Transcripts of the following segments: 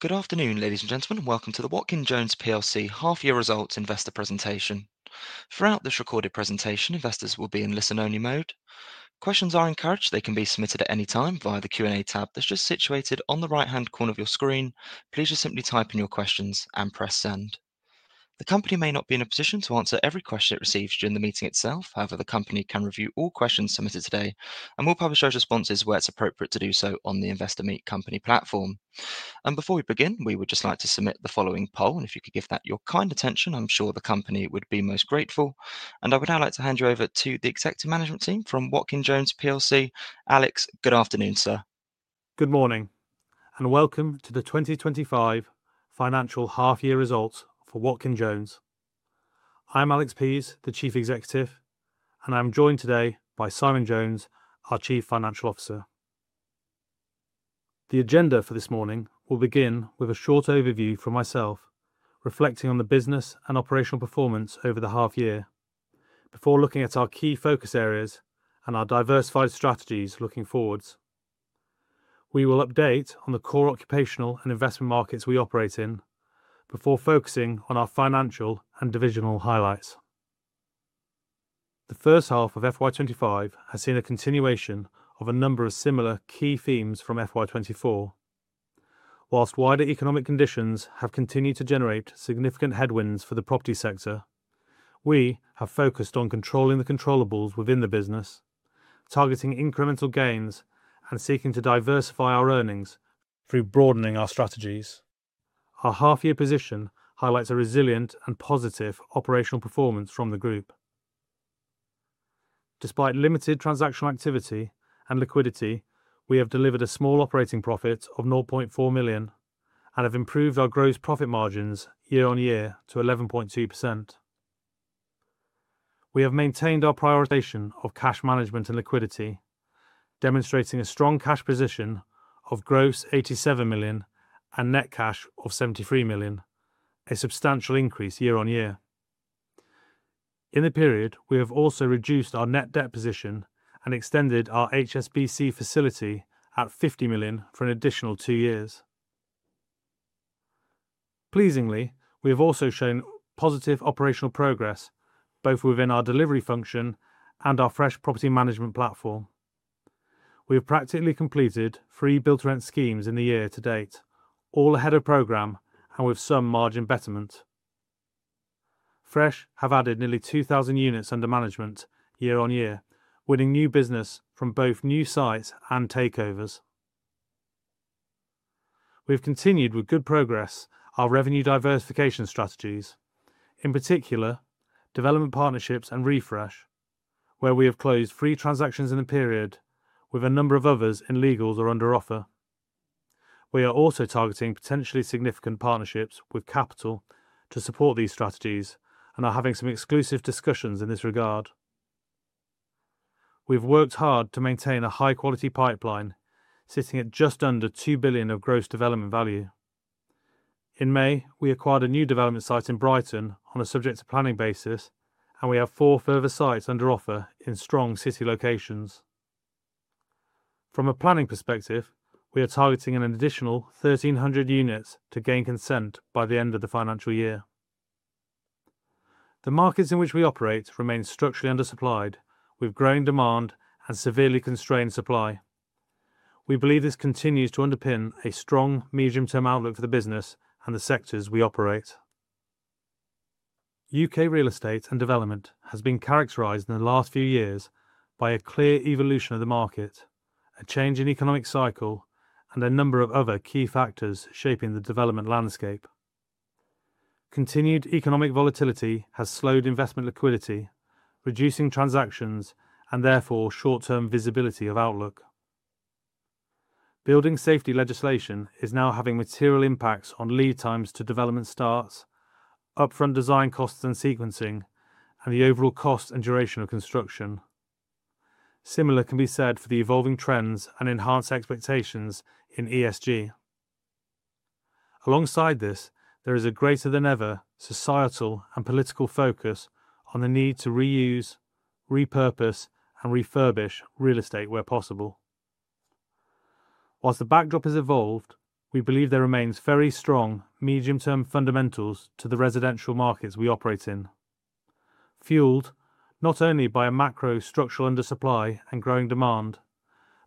Good afternoon, ladies and gentlemen. Welcome to the Watkin Jones Half-Year Results Investor Presentation. Throughout this recorded presentation, investors will be in listen-only mode. Questions are encouraged; they can be submitted at any time via the Q&A tab that's just situated on the right-hand corner of your screen. Please just simply type in your questions and press send. The company may not be in a position to answer every question it receives during the meeting itself. However, the company can review all questions submitted today and will publish those responses where it's appropriate to do so on the Investor Meet Company platform. Before we begin, we would just like to submit the following poll, and if you could give that your kind attention, I'm sure the company would be most grateful. I would now like to hand you over to the Executive Management Team from Watkin Jones. Alex, good afternoon, sir. Good morning and welcome to the 2025 financial half-year results for Watkin Jones. I'm Alex Pease, the Chief Executive, and I'm joined today by Simon Jones, our Chief Financial Officer. The agenda for this morning will begin with a short overview from myself, reflecting on the business and operational performance over the half-year, before looking at our key focus areas and our diversified strategies looking forwards. We will update on the core occupational and investment markets we operate in, before focusing on our financial and divisional highlights. The first half of FY25 has seen a continuation of a number of similar key themes from FY24. Whilst wider economic conditions have continued to generate significant headwinds for the property sector, we have focused on controlling the controllable within the business, targeting incremental gains, and seeking to diversify our earnings through broadening our strategies. Our half-year position highlights a resilient and positive operational performance from the group. Despite limited transactional activity and liquidity, we have delivered a small operating profit of 0.4 million and have improved our gross profit margins year-on-year to 11.2%. We have maintained our prioritization of cash management and liquidity, demonstrating a strong cash position of gross 87 million and net cash of 73 million, a substantial increase year-on-year. In the period, we have also reduced our net debt position and extended our HSBC facility at 50 million for an additional two years. Pleasingly, we have also shown positive operational progress both within our delivery function and our Fresh property management platform. We have practically completed three built-to-rent schemes in the year to date, all ahead of program and with some margin betterment. Fresh have added nearly 2,000 units under management year-on-year, winning new business from both new sites and takeovers. We have continued with good progress our revenue diversification strategies, in particular development partnerships and Refresh, where we have closed three transactions in the period with a number of others in legals or under offer. We are also targeting potentially significant partnerships with capital to support these strategies and are having some exclusive discussions in this regard. We've worked hard to maintain a high-quality pipeline, sitting at just under 2 billion of gross development value. In May, we acquired a new development site in Brighton on a subject-to-planning basis, and we have four further sites under offer in strong city locations. From a planning perspective, we are targeting an additional 1,300 units to gain consent by the end of the financial year. The markets in which we operate remain structurally undersupplied with growing demand and severely constrained supply. We believe this continues to underpin a strong medium-term outlook for the business and the sectors we operate. U.K. real estate and development has been characterized in the last few years by a clear evolution of the market, a change in economic cycle, and a number of other key factors shaping the development landscape. Continued economic volatility has slowed investment liquidity, reducing transactions and therefore short-term visibility of outlook. Building safety legislation is now having material impacts on lead times to development starts, upfront design costs and sequencing, and the overall cost and duration of construction. Similar can be said for the evolving trends and enhanced expectations in ESG. Alongside this, there is a greater-than-ever societal and political focus on the need to reuse, repurpose, and refurbish real estate where possible. Whilst the backdrop has evolved, we believe there remains very strong medium-term fundamentals to the residential markets we operate in, fueled not only by a macro structural undersupply and growing demand,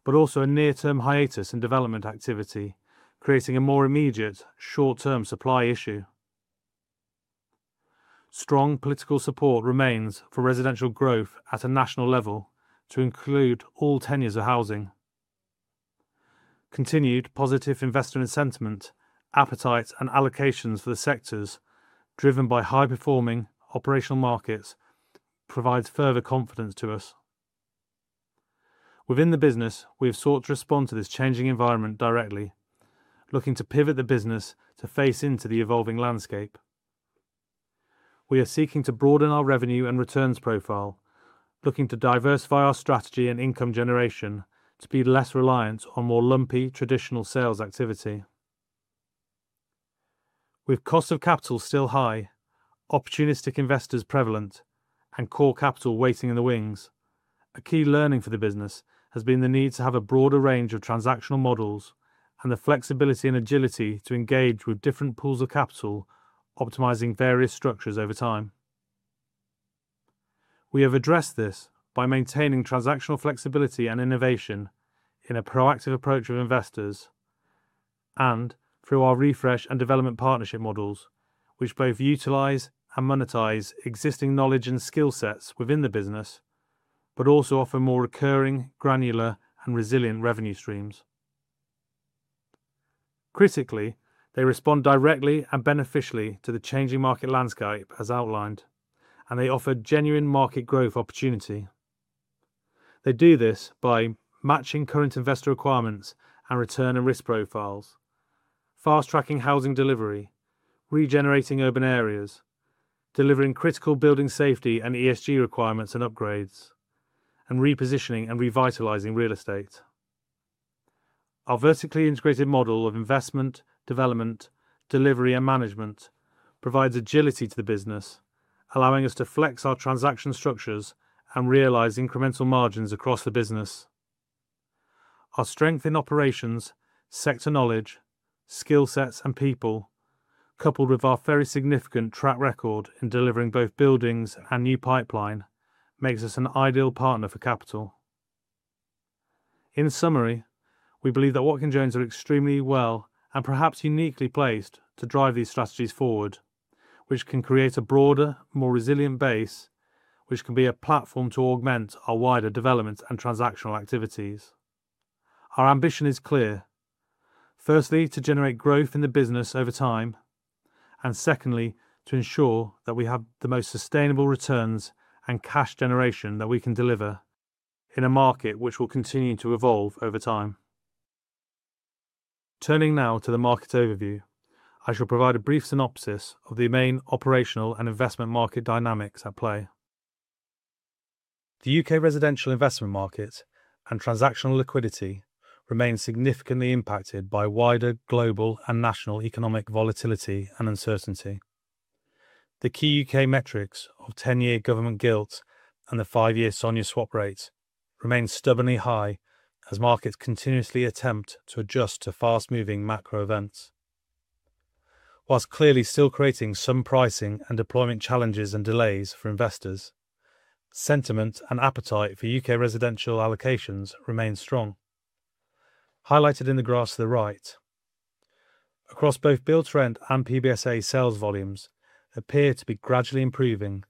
but also a near-term hiatus in development activity, creating a more immediate short-term supply issue. Strong political support remains for residential growth at a national level to include all tenures of housing. Continued positive investment sentiment, appetite, and allocations for the sectors driven by high-performing operational markets provides further confidence to us. Within the business, we have sought to respond to this changing environment directly, looking to pivot the business to face into the evolving landscape. We are seeking to broaden our revenue and returns profile, looking to diversify our strategy and income generation to be less reliant on more lumpy traditional sales activity. With cost of capital still high, opportunistic investors prevalent, and core capital waiting in the wings, a key learning for the business has been the need to have a broader range of transactional models and the flexibility and agility to engage with different pools of capital, optimizing various structures over time. We have addressed this by maintaining transactional flexibility and innovation in a proactive approach of investors and through our Refresh and development partnership models, which both utilize and monetize existing knowledge and skill sets within the business, but also offer more recurring, granular, and resilient revenue streams. Critically, they respond directly and beneficially to the changing market landscape, as outlined, and they offer genuine market growth opportunity. They do this by matching current investor requirements and return and risk profiles, fast-tracking housing delivery, regenerating urban areas, delivering critical building safety and ESG requirements and upgrades, and repositioning and revitalizing real estate. Our vertically integrated model of investment, development, delivery, and management provides agility to the business, allowing us to flex our transaction structures and realize incremental margins across the business. Our strength in operations, sector knowledge, skill sets, and people, coupled with our very significant track record in delivering both buildings and new pipeline, makes us an ideal partner for capital. In summary, we believe that Watkin Jones are extremely well and perhaps uniquely placed to drive these strategies forward, which can create a broader, more resilient base, which can be a platform to augment our wider development and transactional activities. Our ambition is clear: firstly, to generate growth in the business over time, and secondly, to ensure that we have the most sustainable returns and cash generation that we can deliver in a market which will continue to evolve over time. Turning now to the market overview, I shall provide a brief synopsis of the main operational and investment market dynamics at play. The U.K. residential investment market and transactional liquidity remain significantly impacted by wider global and national economic volatility and uncertainty. The key U.K. metrics of 10-year government gilt and the 5-year SONIA swap rate remain stubbornly high as markets continuously attempt to adjust to fast-moving macro events. Whilst clearly still creating some pricing and deployment challenges and delays for investors, sentiment and appetite for U.K. residential allocations remain strong, highlighted in the graphs to the right. Across both built-to-rent and PBSA, sales volumes appear to be gradually improving,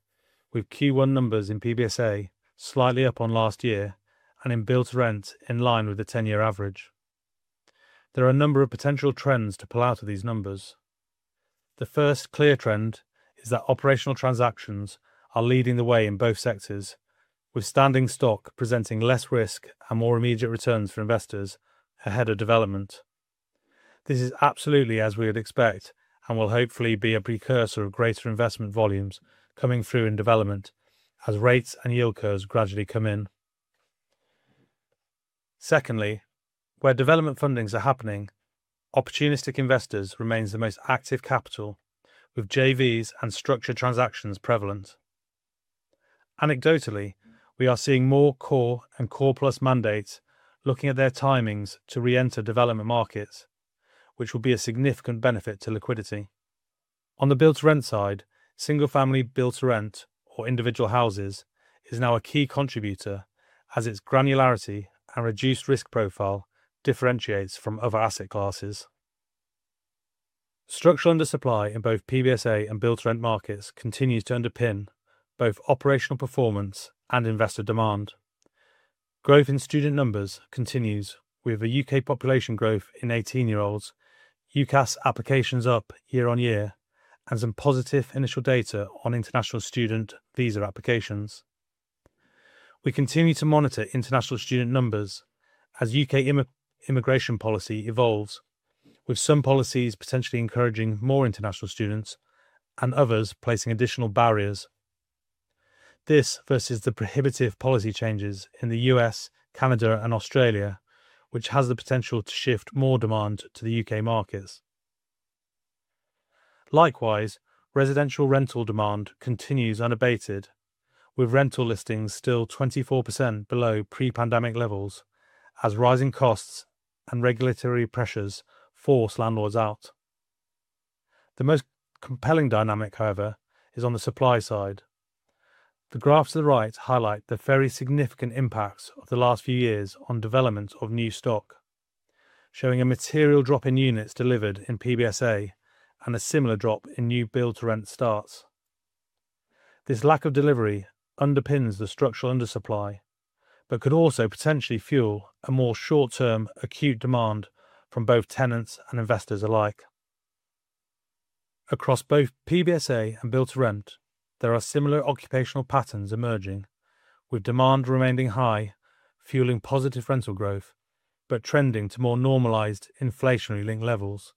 with Q1 numbers in PBSA slightly up on last year and in built-to-rent in line with the 10-year average. There are a number of potential trends to pull out of these numbers. The first clear trend is that operational transactions are leading the way in both sectors, with standing stock presenting less risk and more immediate returns for investors ahead of development. This is absolutely as we would expect and will hopefully be a precursor of greater investment volumes coming through in development as rates and yield curves gradually come in. Secondly, where development fundings are happening, opportunistic investors remain the most active capital, with JVs and structured transactions prevalent. Anecdotally, we are seeing more core and core plus mandates looking at their timings to re-enter development markets, which will be a significant benefit to liquidity. On the built-to-rent side, single-family built-to-rent or individual houses is now a key contributor as its granularity and reduced risk profile differentiates from other asset classes. Structural undersupply in both PBSA and built-to-rent markets continues to underpin both operational performance and investor demand. Growth in student numbers continues, with the U.K. population growth in 18-year-olds, UCAS applications up year-on-year, and some positive initial data on international student visa applications. We continue to monitor international student numbers as U.K. immigration policy evolves, with some policies potentially encouraging more international students and others placing additional barriers. This versus the prohibitive policy changes in the U.S., Canada, and Australia, which has the potential to shift more demand to the U.K. markets. Likewise, residential rental demand continues unabated, with rental listings still 24% below pre-pandemic levels as rising costs and regulatory pressures force landlords out. The most compelling dynamic, however, is on the supply side. The graphs to the right highlight the very significant impacts of the last few years on development of new stock, showing a material drop in units delivered in PBSA and a similar drop in new built-to-rent starts. This lack of delivery underpins the structural undersupply, but could also potentially fuel a more short-term acute demand from both tenants and investors alike. Across both PBSA and built-to-rent, there are similar occupational patterns emerging, with demand remaining high, fueling positive rental growth, but trending to more normalized inflationary link levels.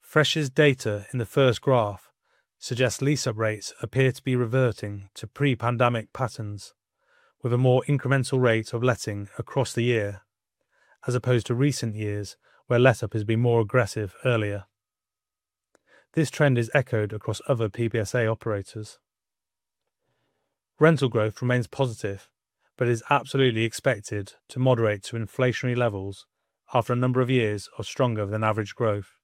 Fresh's data in the first graph suggests lease-up rates appear to be reverting to pre-pandemic patterns, with a more incremental rate of letting across the year, as opposed to recent years where let-up has been more aggressive earlier. This trend is echoed across other PBSA operators. Rental growth remains positive, but is absolutely expected to moderate to inflationary levels after a number of years of stronger-than-average growth.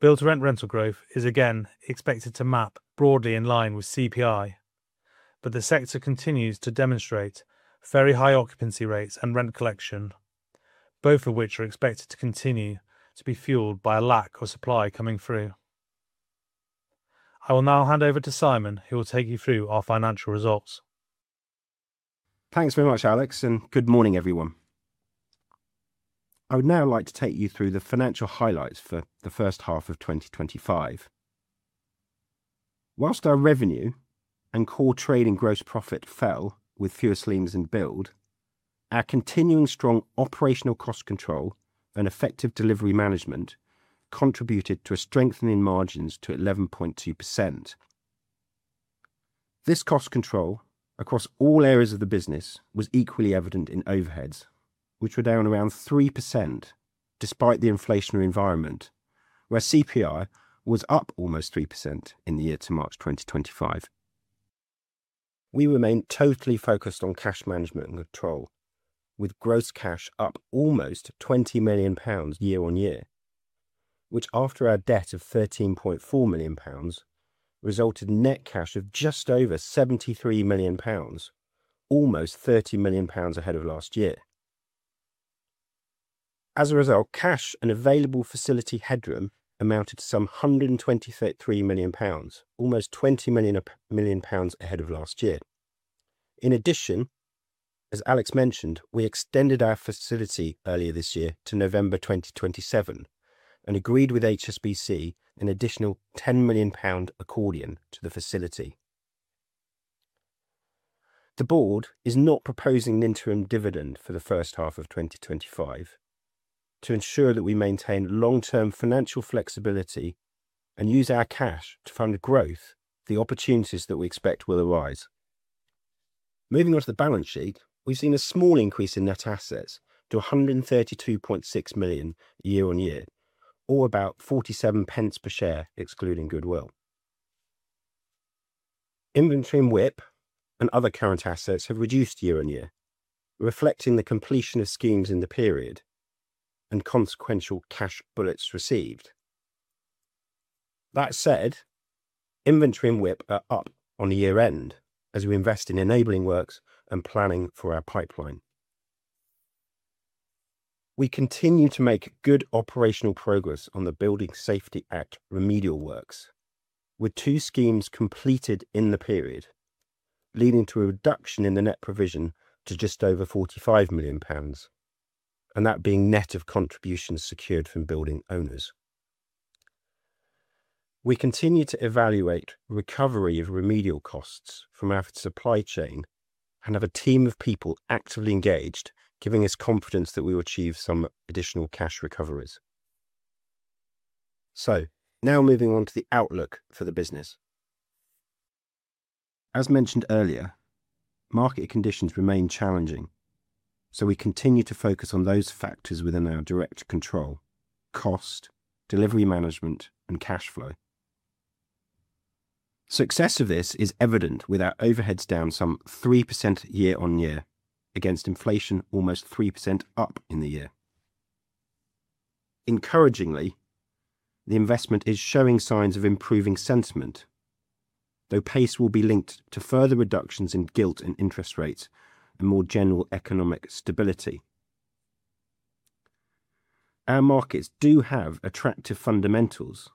Built-to-rent rental growth is again expected to map broadly in line with CPI, but the sector continues to demonstrate very high occupancy rates and rent collection, both of which are expected to continue to be fueled by a lack of supply coming through. I will now hand over to Simon, who will take you through our financial results. Thanks very much, Alex, and good morning, everyone. I would now like to take you through the financial highlights for the first half of 2025. Whilst our revenue and core trade and gross profit fell with fewer schemes in build, our continuing strong operational cost control and effective delivery management contributed to a strengthening margins to 11.2%. This cost control across all areas of the business was equally evident in overheads, which were down around 3% despite the inflationary environment, where CPI was up almost 3% in the year to March 2025. We remain totally focused on cash management and control, with gross cash up almost 20 million pounds year-on-year, which after our debt of 13.4 million pounds resulted in net cash of just over 73 million pounds, almost 30 million pounds ahead of last year. As a result, cash and available facility headroom amounted to some 123 million pounds, almost 20 million ahead of last year. In addition, as Alex mentioned, we extended our facility earlier this year to November 2027 and agreed with HSBC an additional 10 million pound accordion to the facility. The board is not proposing an interim dividend for the first half of 2025 to ensure that we maintain long-term financial flexibility and use our cash to fund growth, the opportunities that we expect will arise. Moving on to the balance sheet, we have seen a small increase in net assets to 132.6 million year-on-year, or about 0.47 per share excluding goodwill. Inventory and WIP and other current assets have reduced year-on-year, reflecting the completion of schemes in the period and consequential cash bullets received. That said, inventory and WIP are up on the year-end as we invest in enabling works and planning for our pipeline. We continue to make good operational progress on the Building Safety Act remedial works, with two schemes completed in the period, leading to a reduction in the net provision to just over 45 million pounds, and that being net of contributions secured from building owners. We continue to evaluate recovery of remedial costs from our supply chain and have a team of people actively engaged, giving us confidence that we will achieve some additional cash recoveries. Now moving on to the outlook for the business. As mentioned earlier, market conditions remain challenging, so we continue to focus on those factors within our direct control: cost, delivery management, and cash flow. Success of this is evident with our overheads down some 3% year-on-year against inflation almost 3% up in the year. Encouragingly, the investment is showing signs of improving sentiment, though pace will be linked to further reductions in gilt and interest rates and more general economic stability. Our markets do have attractive fundamentals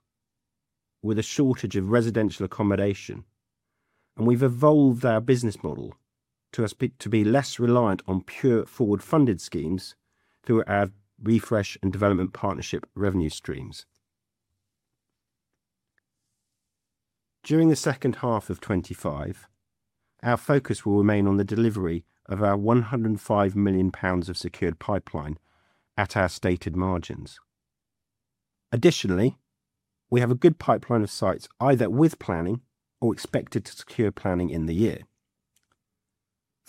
with a shortage of residential accommodation, and we have evolved our business model to be less reliant on pure forward-funded schemes through our Refresh and development partnership revenue streams. During the second half of 2025, our focus will remain on the delivery of our 105 million pounds of secured pipeline at our stated margins. Additionally, we have a good pipeline of sites either with planning or expected to secure planning in the year.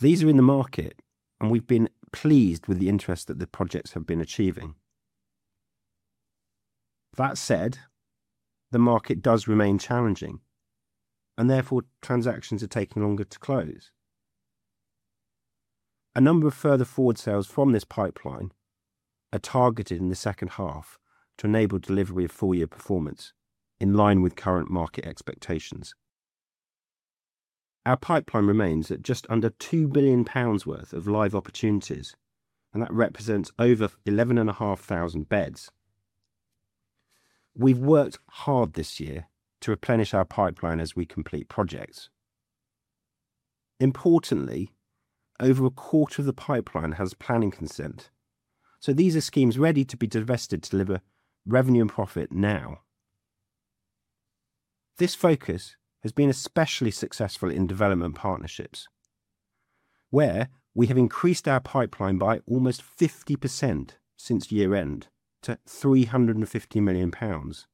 These are in the market, and we have been pleased with the interest that the projects have been achieving. That said, the market does remain challenging, and therefore transactions are taking longer to close. A number of further forward sales from this pipeline are targeted in the second half to enable delivery of full-year performance in line with current market expectations. Our pipeline remains at just under 2 billion pounds worth of live opportunities, and that represents over 11,500 beds. We have worked hard this year to replenish our pipeline as we complete projects. Importantly, over a quarter of the pipeline has planning consent, so these are schemes ready to be divested to deliver revenue and profit now. This focus has been especially successful in development partnerships, where we have increased our pipeline by almost 50% since year-end to 350 million pounds,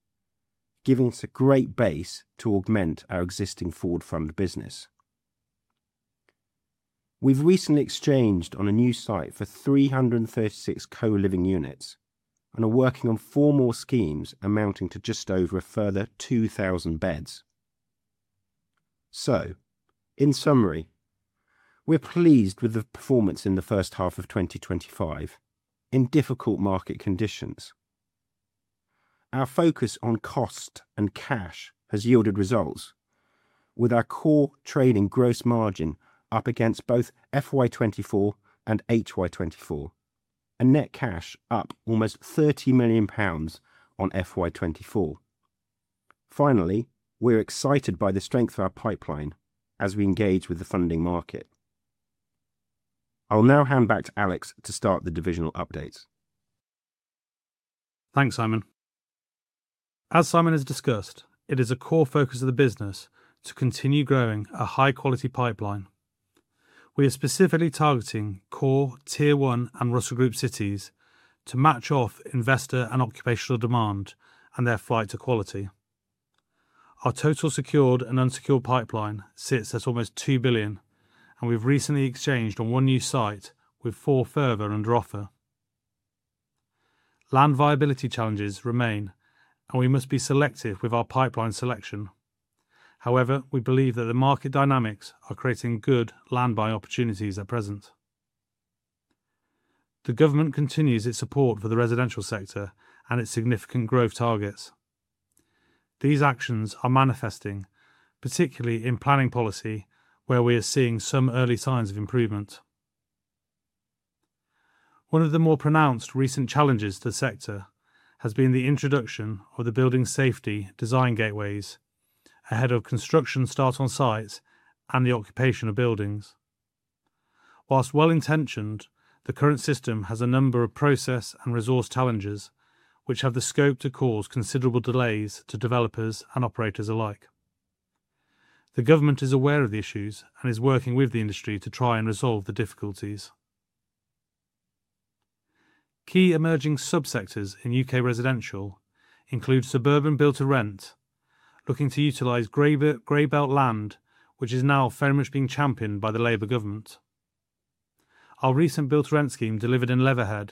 giving us a great base to augment our existing forward-funded business. We've recently exchanged on a new site for 336 co-living units and are working on four more schemes amounting to just over a further 2,000 beds. In summary, we're pleased with the performance in the first half of 2025 in difficult market conditions. Our focus on cost and cash has yielded results, with our core trade and gross margin up against both FY2024 and HY2024, and net cash up almost 30 million pounds on FY2024. Finally, we're excited by the strength of our pipeline as we engage with the funding market. I'll now hand back to Alex to start the divisional updates. Thanks, Simon. As Simon has discussed, it is a core focus of the business to continue growing a high-quality pipeline. We are specifically targeting core, tier one, and Russell Group cities to match off investor and occupational demand and their flight to quality. Our total secured and unsecured pipeline sits at almost 2 billion, and we've recently exchanged on one new site with four further under offer. Land viability challenges remain, and we must be selective with our pipeline selection. However, we believe that the market dynamics are creating good land buy opportunities at present. The government continues its support for the residential sector and its significant growth targets. These actions are manifesting, particularly in planning policy, where we are seeing some early signs of improvement. One of the more pronounced recent challenges to the sector has been the introduction of the building safety design gateways ahead of construction start on sites and the occupation of buildings. Whilst well-intentioned, the current system has a number of process and resource challenges, which have the scope to cause considerable delays to developers and operators alike. The government is aware of the issues and is working with the industry to try and resolve the difficulties. Key emerging subsectors in U.K. residential include suburban built-to-rent, looking to utilize Greybelt land, which is now famously championed by the Labour government. Our recent built-to-rent scheme delivered in Lewisham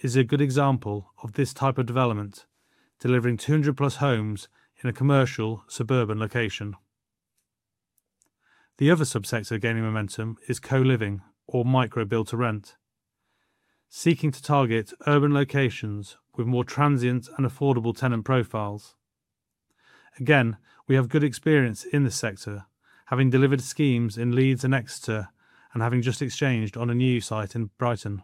is a good example of this type of development, delivering 200-plus homes in a commercial suburban location. The other subsector gaining momentum is co-living or micro built-to-rent, seeking to target urban locations with more transient and affordable tenant profiles. Again, we have good experience in this sector, having delivered schemes in Leeds and Exeter and having just exchanged on a new site in Brighton.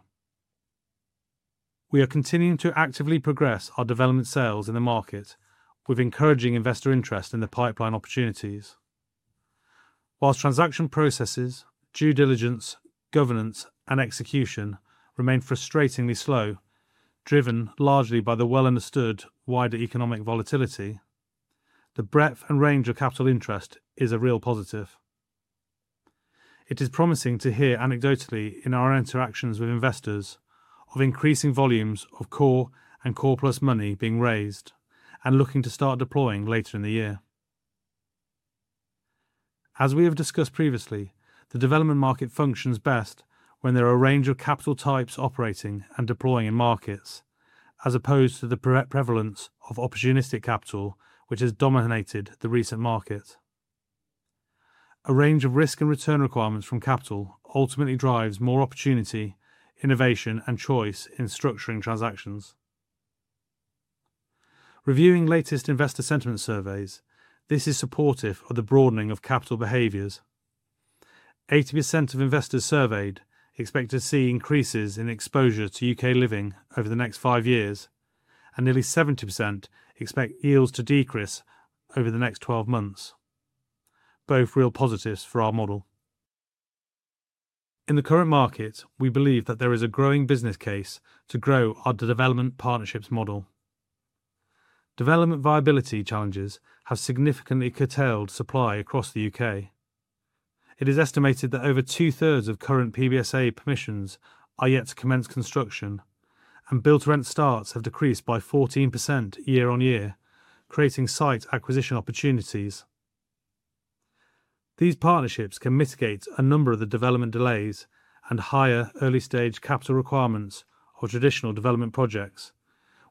We are continuing to actively progress our development sales in the market, with encouraging investor interest in the pipeline opportunities. Whilst transaction processes, due diligence, governance, and execution remain frustratingly slow, driven largely by the well-understood wider economic volatility, the breadth and range of capital interest is a real positive. It is promising to hear anecdotally in our interactions with investors of increasing volumes of core and core plus money being raised and looking to start deploying later in the year. As we have discussed previously, the development market functions best when there are a range of capital types operating and deploying in markets, as opposed to the prevalence of opportunistic capital, which has dominated the recent market. A range of risk and return requirements from capital ultimately drives more opportunity, innovation, and choice in structuring transactions. Reviewing latest investor sentiment surveys, this is supportive of the broadening of capital behaviors. 80% of investors surveyed expect to see increases in exposure to U.K. living over the next five years, and nearly 70% expect yields to decrease over the next 12 months. Both real positives for our model. In the current market, we believe that there is a growing business case to grow our development partnerships model. Development viability challenges have significantly curtailed supply across the U.K. It is estimated that over two-thirds of current PBSA permissions are yet to commence construction, and built-to-rent starts have decreased by 14% year-on-year, creating site acquisition opportunities. These partnerships can mitigate a number of the development delays and higher early-stage capital requirements of traditional development projects,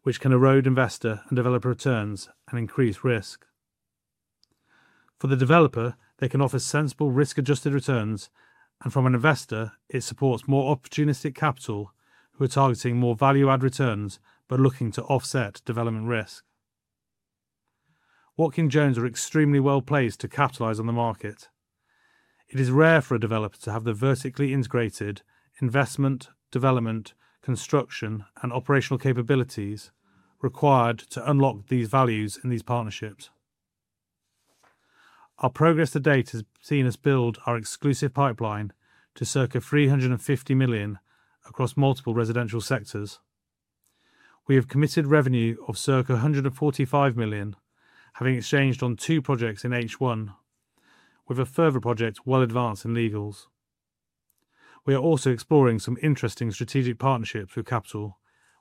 which can erode investor and developer returns and increase risk. For the developer, they can offer sensible risk-adjusted returns, and from an investor, it supports more opportunistic capital who are targeting more value-add returns but looking to offset development risk. Watkin Jones are extremely well placed to capitalize on the market. It is rare for a developer to have the vertically integrated investment, development, construction, and operational capabilities required to unlock these values in these partnerships. Our progress to date has seen us build our exclusive pipeline to circa 350 million across multiple residential sectors. We have committed revenue of circa 145 million, having exchanged on two projects in H1, with a further project well advanced in legals. We are also exploring some interesting strategic partnerships with capital,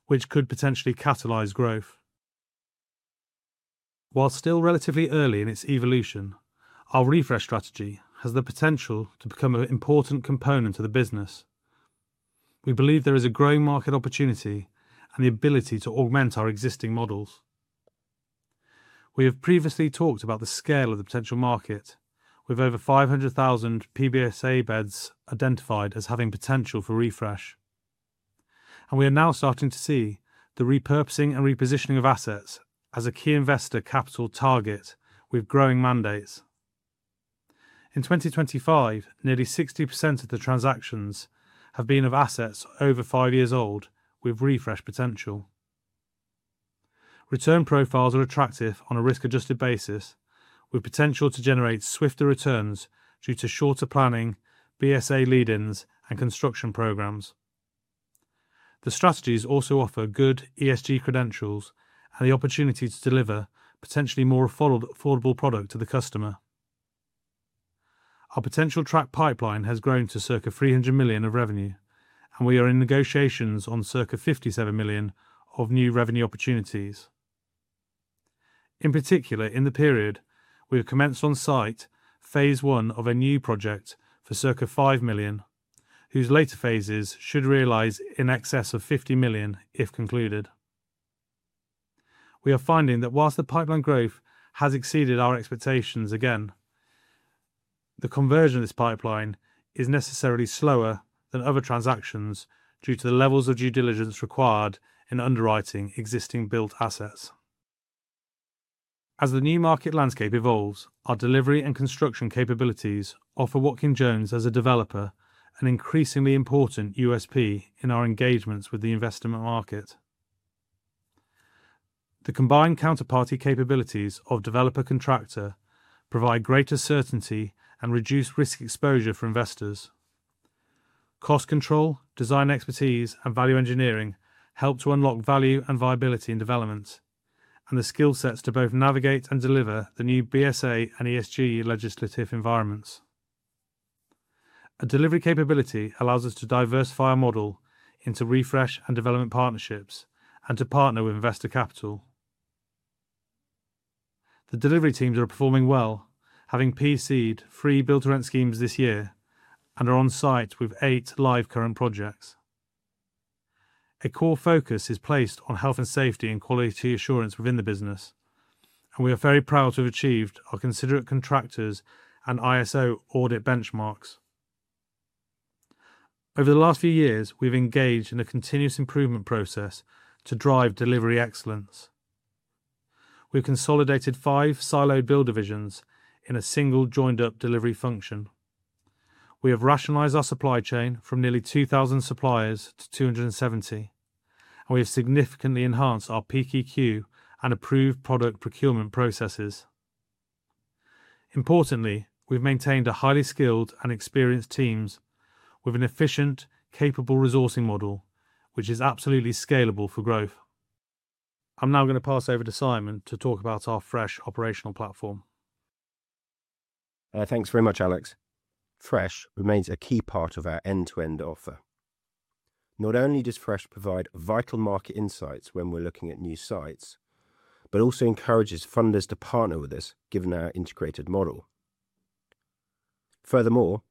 which could potentially catalyze growth. While still relatively early in its evolution, our Refresh strategy has the potential to become an important component of the business. We believe there is a growing market opportunity and the ability to augment our existing models. We have previously talked about the scale of the potential market, with over 500,000 PBSA beds identified as having potential for Refresh. We are now starting to see the repurposing and repositioning of assets as a key investor capital target with growing mandates. In 2025, nearly 60% of the transactions have been of assets over five years old with Refresh potential. Return profiles are attractive on a risk-adjusted basis, with potential to generate swifter returns due to shorter planning, BSA lead-ins, and construction programs. The strategies also offer good ESG credentials and the opportunity to deliver potentially more affordable product to the customer. Our potential track pipeline has grown to circa 300 million of revenue, and we are in negotiations on circa 57 million of new revenue opportunities. In particular, in the period, we have commenced on site phase of a new project for circa 5 million, whose later phases should realize in excess of 50 million if concluded. We are finding that whilst the pipeline growth has exceeded our expectations again, the conversion of this pipeline is necessarily slower than other transactions due to the levels of due diligence required in underwriting existing built assets. As the new market landscape evolves, our delivery and construction capabilities offer Watkin Jones as a developer an increasingly important USP in our engagements with the investment market. The combined counterparty capabilities of developer-contractor provide greater certainty and reduce risk exposure for investors. Cost control, design expertise, and value engineering help to unlock value and viability in development, and the skill sets to both navigate and deliver the new BSA and ESG legislative environments. A delivery capability allows us to diversify our model into refresh and development partnerships and to partner with investor capital. The delivery teams are performing well, having PC'd three built-to-rent schemes this year and are on site with eight live current projects. A core focus is placed on health and safety and quality assurance within the business, and we are very proud to have achieved our considerate contractors and ISO audit benchmarks. Over the last few years, we've engaged in a continuous improvement process to drive delivery excellence. We've consolidated five siloed build divisions in a single joined-up delivery function. We have rationalized our supply chain from nearly 2,000 suppliers to 270, and we have significantly enhanced our peak EQ and approved product procurement processes. Importantly, we've maintained a highly skilled and experienced team with an efficient, capable resourcing model, which is absolutely scalable for growth. I'm now going to pass over to Simon to talk about our Fresh operational platform. Thanks very much, Alex. Fresh remains a key part of our end-to-end offer. Not only does Fresh provide vital market insights when we're looking at new sites, but also encourages funders to partner with us given our integrated model. Furthermore,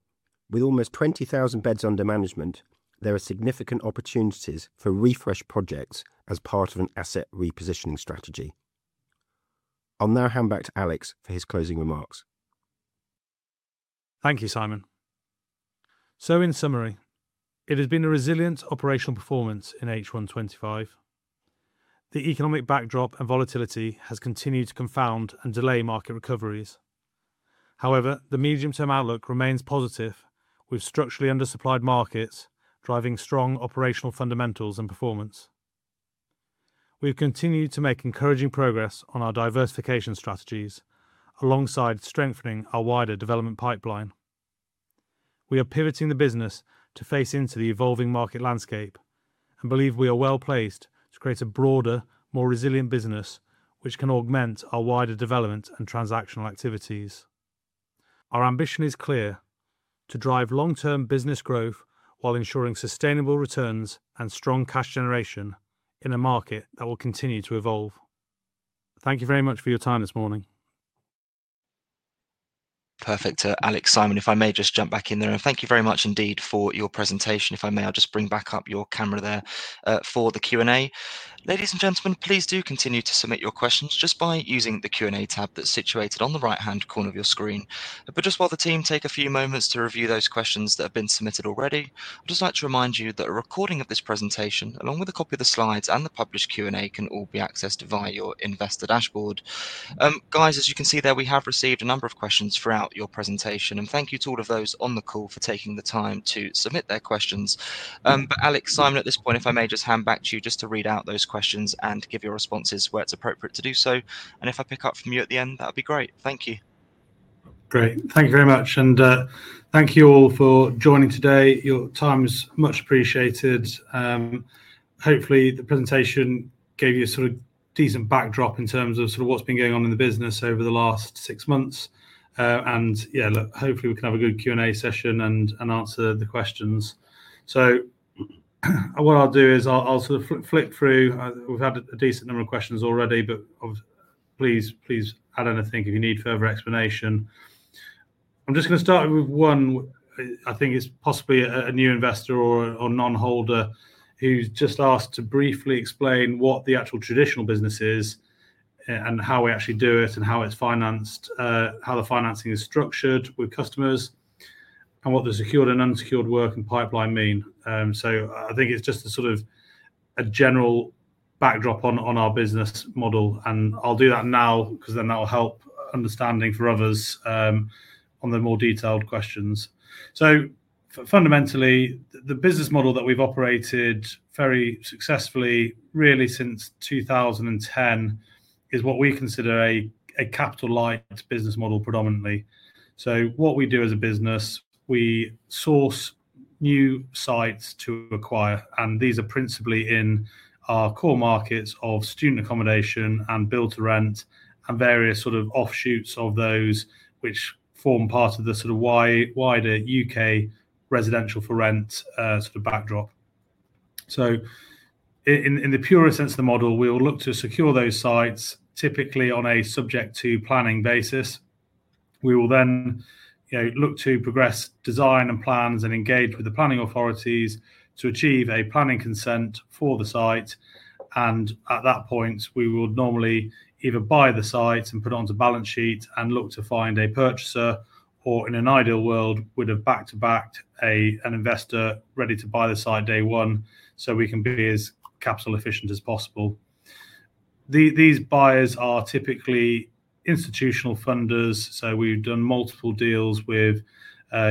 with almost 20,000 beds under management, there are significant opportunities for refresh projects as part of an asset repositioning strategy. I'll now hand back to Alex for his closing remarks. Thank you, Simon. In summary, it has been a resilient operational performance in H1 2025. The economic backdrop and volatility has continued to confound and delay market recoveries. However, the medium-term outlook remains positive, with structurally undersupplied markets driving strong operational fundamentals and performance. We have continued to make encouraging progress on our diversification strategies alongside strengthening our wider development pipeline. We are pivoting the business to face into the evolving market landscape and believe we are well placed to create a broader, more resilient business which can augment our wider development and transactional activities. Our ambition is clear: to drive long-term business growth while ensuring sustainable returns and strong cash generation in a market that will continue to evolve. Thank you very much for your time this morning. Perfect. Alex, Simon, if I may just jump back in there, and thank you very much indeed for your presentation. If I may, I'll just bring back up your camera there for the Q&A. Ladies and gentlemen, please do continue to submit your questions just by using the Q&A tab that's situated on the right-hand corner of your screen. While the team takes a few moments to review those questions that have been submitted already, I'd just like to remind you that a recording of this presentation, along with a copy of the slides and the published Q&A, can all be accessed via your investor dashboard. Guys, as you can see there, we have received a number of questions throughout your presentation, and thank you to all of those on the call for taking the time to submit their questions. Alex, Simon, at this point, if I may just hand back to you just to read out those questions and give your responses where it's appropriate to do so. If I pick up from you at the end, that would be great. Thank you. Great. Thank you very much. Thank you all for joining today. Your time is much appreciated. Hopefully, the presentation gave you a sort of decent backdrop in terms of what's been going on in the business over the last six months. Yeah, hopefully, we can have a good Q&A session and answer the questions. What I'll do is I'll sort of flip through. We've had a decent number of questions already, but please, please add anything if you need further explanation. I'm just going to start with one I think is possibly a new investor or non-holder who's just asked to briefly explain what the actual traditional business is and how we actually do it and how it's financed, how the financing is structured with customers, and what the secured and unsecured work and pipeline mean. I think it's just a sort of a general backdrop on our business model. I'll do that now because that will help understanding for others on the more detailed questions. Fundamentally, the business model that we've operated very successfully really since 2010 is what we consider a capital-light business model predominantly. What we do as a business, we source new sites to acquire, and these are principally in our core markets of student accommodation and built-to-rent and various sort of offshoots of those which form part of the sort of wider U.K. residential for rent sort of backdrop. In the purest sense of the model, we will look to secure those sites typically on a subject-to planning basis. We will then look to progress design and plans and engage with the planning authorities to achieve a planning consent for the site. At that point, we will normally either buy the site and put it onto balance sheets and look to find a purchaser or, in an ideal world, would have back-to-back an investor ready to buy the site day one so we can be as capital efficient as possible. These buyers are typically institutional funders. We've done multiple deals with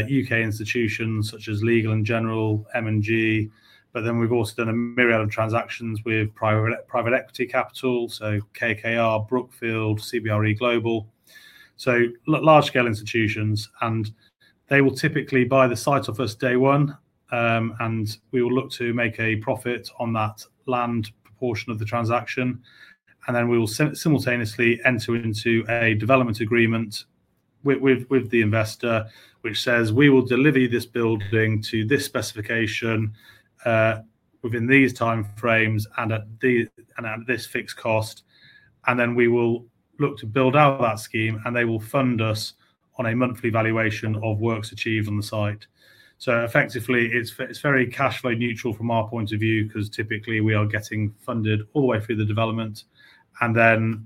U.K. institutions such as Legal & General, M&G, but then we've also done a myriad of transactions with private equity capital, so KKR, Brookfield, CBRE Global, so large-scale institutions. They will typically buy the site off us day one, and we will look to make a profit on that land proportion of the transaction. We will simultaneously enter into a development agreement with the investor, which says, "We will deliver this building to this specification within these time frames and at this fixed cost." We will look to build out that scheme, and they will fund us on a monthly valuation of works achieved on the site. Effectively, it's very cash flow neutral from our point of view because typically we are getting funded all the way through the development. At the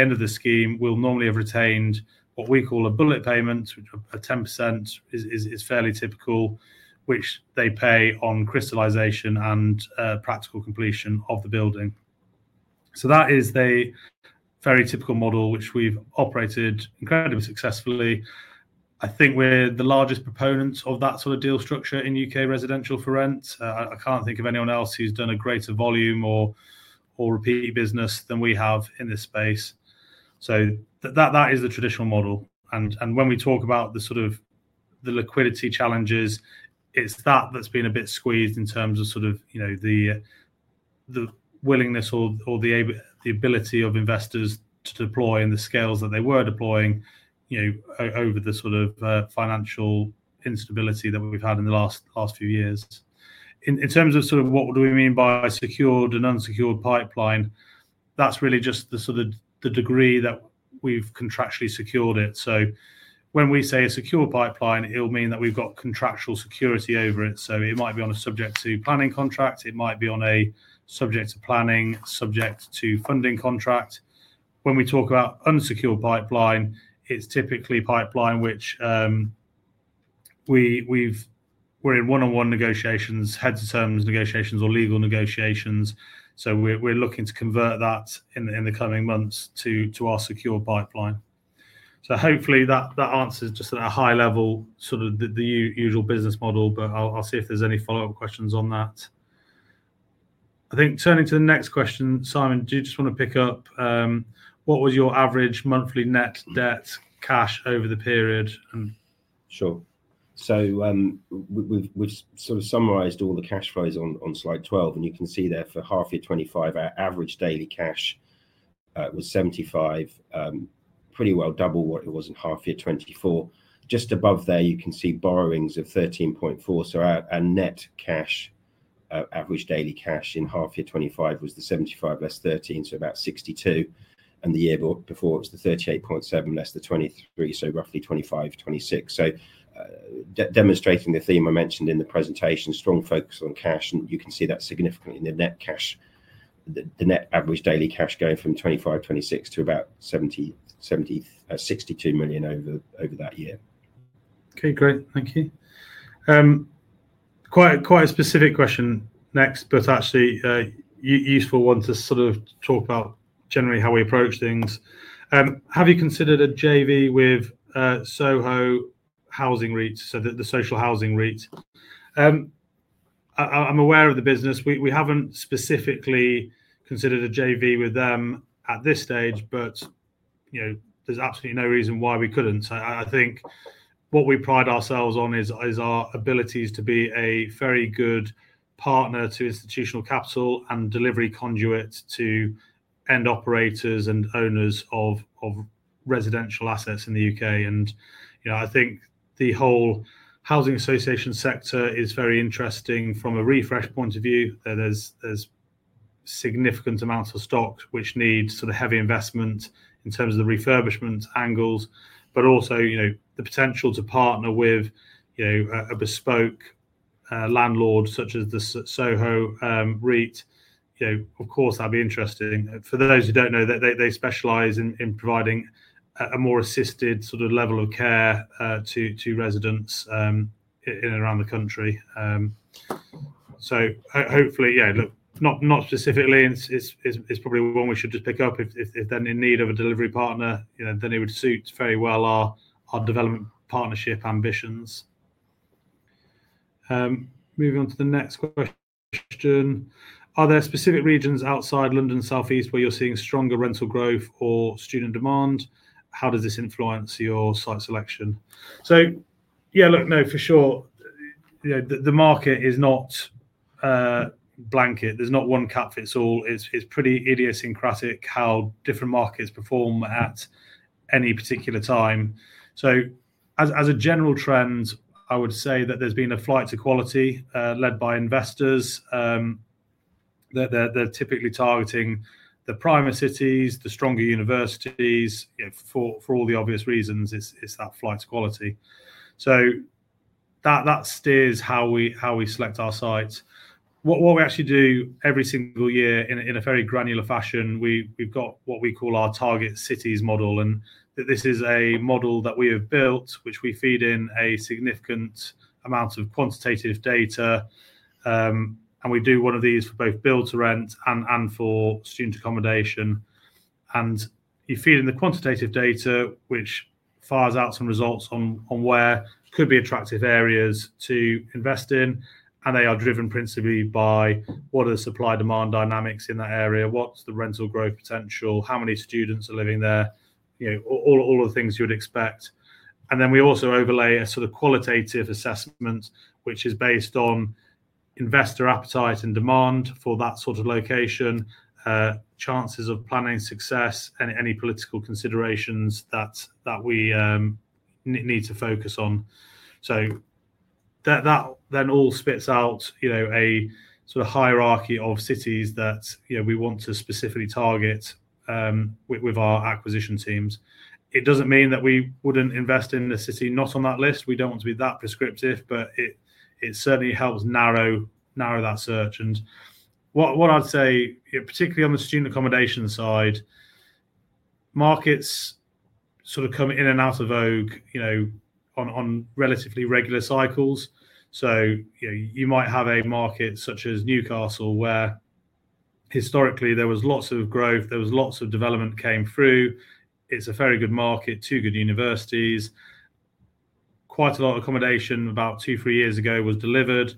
end of the scheme, we'll normally have retained what we call a bullet payment, which 10% is fairly typical, which they pay on crystallization and practical completion of the building. That is the very typical model which we've operated incredibly successfully. I think we're the largest proponents of that sort of deal structure in U.K. residential for rent. I can't think of anyone else who's done a greater volume or repeat business than we have in this space. That is the traditional model. When we talk about the sort of liquidity challenges, it's that that's been a bit squeezed in terms of the willingness or the ability of investors to deploy and the scales that they were deploying over the sort of financial instability that we've had in the last few years. In terms of sort of what do we mean by secured and unsecured pipeline, that's really just the sort of degree that we've contractually secured it. When we say a secured pipeline, it'll mean that we've got contractual security over it. It might be on a subject-to planning contract. It might be on a subject-to planning, subject-to funding contract. When we talk about unsecured pipeline, it's typically pipeline which we're in one-on-one negotiations, head-to-terms negotiations, or legal negotiations. We're looking to convert that in the coming months to our secured pipeline. Hopefully, that answers just at a high level sort of the usual business model, but I'll see if there's any follow-up questions on that. I think turning to the next question, Simon, do you just want to pick up? What was your average monthly net debt cash over the period? Sure. We've sort of summarized all the cash flows on slide 12, and you can see there for half year 2025, our average daily cash was 75 million, pretty well double what it was in half year 2024. Just above there, you can see borrowings of 13.4 million. Our net cash, average daily cash in half year 2025 was the 75 million less 13 million, so about 62 million. The year before it was the 38.7 million less the 23 million, so roughly 25 million-26 million. Demonstrating the theme I mentioned in the presentation, strong focus on cash, and you can see that significantly in the net cash, the net average daily cash going from 25 million-26 million to about 62 million over that year. Okay, great. Thank you. Quite a specific question next, but actually a useful one to sort of talk about generally how we approach things. Have you considered a JV with Soho Housing REIT, so the social housing REIT? I'm aware of the business. We haven't specifically considered a JV with them at this stage, but there's absolutely no reason why we couldn't. I think what we pride ourselves on is our abilities to be a very good partner to institutional capital and delivery conduit to end operators and owners of residential assets in the U.K. I think the whole housing association sector is very interesting from a Refresh point of view. There's significant amounts of stock which need sort of heavy investment in terms of the refurbishment angles, but also the potential to partner with a bespoke landlord such as the Soho REIT. Of course, that'd be interesting. For those who don't know, they specialize in providing a more assisted sort of level of care to residents in and around the country. Hopefully, yeah, look, not specifically, it's probably one we should just pick up. If they're in need of a delivery partner, then it would suit very well our development partnership ambitions. Moving on to the next question. Are there specific regions outside London Southeast where you're seeing stronger rental growth or student demand? How does this influence your site selection? Yeah, look, no, for sure. The market is not blanket. There's not one cut-fits-all. It's pretty idiosyncratic how different markets perform at any particular time. As a general trend, I would say that there's been a flight to quality led by investors. They're typically targeting the prime cities, the stronger universities. For all the obvious reasons, it's that flight to quality. That steers how we select our sites. What we actually do every single year in a very granular fashion, we've got what we call our target cities model. This is a model that we have built, which we feed in a significant amount of quantitative data. We do one of these for both built-to-rent and for student accommodation. You feed in the quantitative data, which fires out some results on where could be attractive areas to invest in. They are driven principally by what are the supply-demand dynamics in that area, what's the rental growth potential, how many students are living there, all the things you would expect. We also overlay a sort of qualitative assessment, which is based on investor appetite and demand for that sort of location, chances of planning success, and any political considerations that we need to focus on. That then all spits out a sort of hierarchy of cities that we want to specifically target with our acquisition teams. It does not mean that we would not invest in a city not on that list. We do not want to be that prescriptive, but it certainly helps narrow that search. What I would say, particularly on the student accommodation side, markets sort of come in and out of vogue on relatively regular cycles. You might have a market such as Newcastle where historically there was lots of growth, there was lots of development came through. It is a very good market, two good universities. Quite a lot of accommodation about two, three years ago was delivered.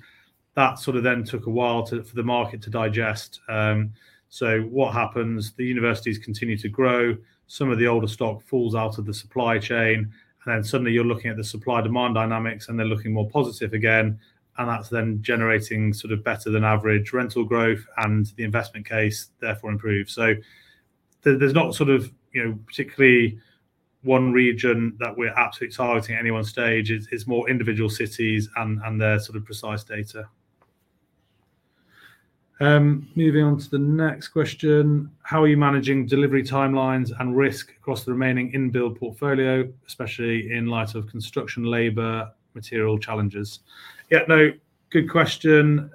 That then took a while for the market to digest. What happens is the universities continue to grow. Some of the older stock falls out of the supply chain. Then suddenly you're looking at the supply-demand dynamics, and they're looking more positive again. That's then generating sort of better than average rental growth, and the investment case therefore improves. There's not particularly one region that we're absolutely targeting at any one stage. It's more individual cities and their precise data. Moving on to the next question. How are you managing delivery timelines and risk across the remaining in-build portfolio, especially in light of construction labor material challenges? Yeah, good question.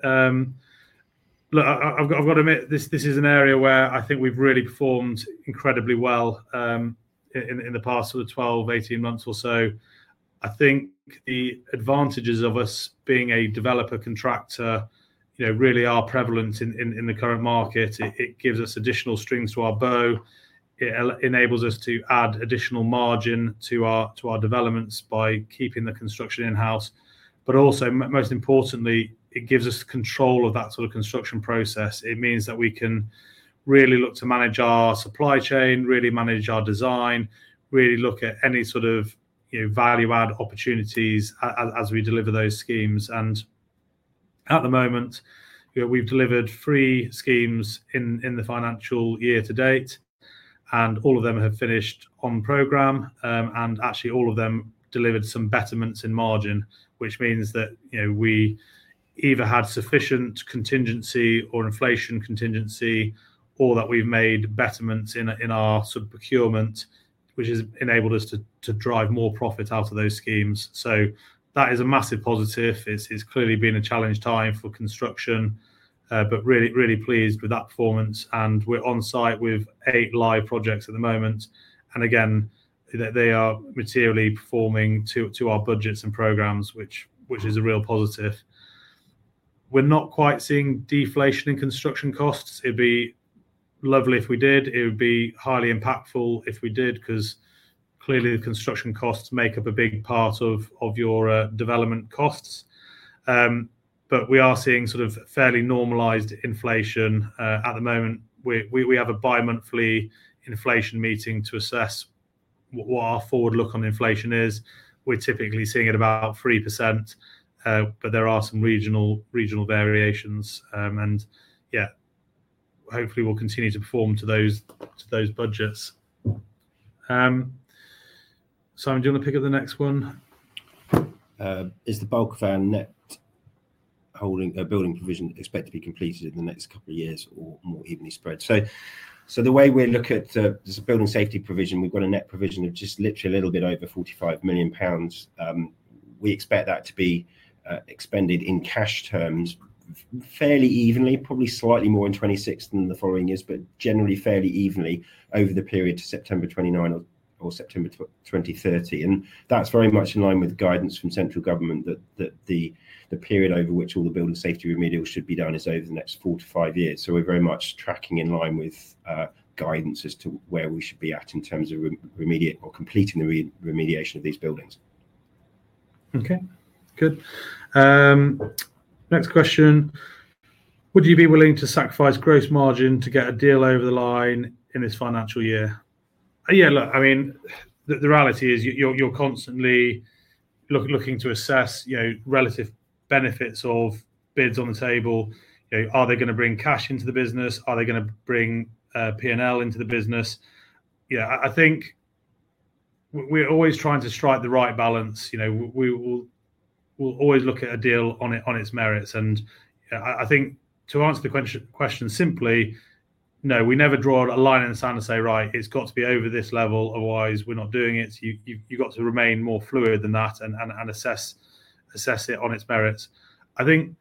Look, I've got to admit, this is an area where I think we've really performed incredibly well in the past 12, 18 months or so. I think the advantages of us being a developer contractor really are prevalent in the current market. It gives us additional strings to our bow. It enables us to add additional margin to our developments by keeping the construction in-house. Most importantly, it gives us control of that sort of construction process. It means that we can really look to manage our supply chain, really manage our design, really look at any sort of value-add opportunities as we deliver those schemes. At the moment, we have delivered three schemes in the financial year to date, and all of them have finished on program. Actually, all of them delivered some betterments in margin, which means that we either had sufficient contingency or inflation contingency or that we have made betterments in our sort of procurement, which has enabled us to drive more profit out of those schemes. That is a massive positive. It has clearly been a challenging time for construction, but really pleased with that performance. We are on site with eight live projects at the moment. Again, they are materially performing to our budgets and programs, which is a real positive. We are not quite seeing deflation in construction costs. It would be lovely if we did. It would be highly impactful if we did because clearly the construction costs make up a big part of your development costs. We are seeing sort of fairly normalized inflation at the moment. We have a bi-monthly inflation meeting to assess what our forward look on inflation is. We are typically seeing it about 3%, but there are some regional variations. Hopefully, we will continue to perform to those budgets. Simon, do you want to pick up the next one? Is the bulk of our net building provision expected to be completed in the next couple of years or more evenly spread? The way we look at the building safety provision, we've got a net provision of just literally a little bit over 45 million pounds. We expect that to be expended in cash terms fairly evenly, probably slightly more in 2026 than the following years, but generally fairly evenly over the period to September 2029 or September 2030. That is very much in line with guidance from central government that the period over which all the building safety remedial should be done is over the next four to five years. We are very much tracking in line with guidance as to where we should be at in terms of remediating or completing the remediation of these buildings. Okay. Good. Next question. Would you be willing to sacrifice gross margin to get a deal over the line in this financial year? Yeah, look, I mean, the reality is you're constantly looking to assess relative benefits of bids on the table. Are they going to bring cash into the business? Are they going to bring P&L into the business? Yeah, I think we're always trying to strike the right balance. We'll always look at a deal on its merits. I think to answer the question simply, no, we never draw a line in the sand to say, "Right, it's got to be over this level. Otherwise, we're not doing it." You've got to remain more fluid than that and assess it on its merits. I think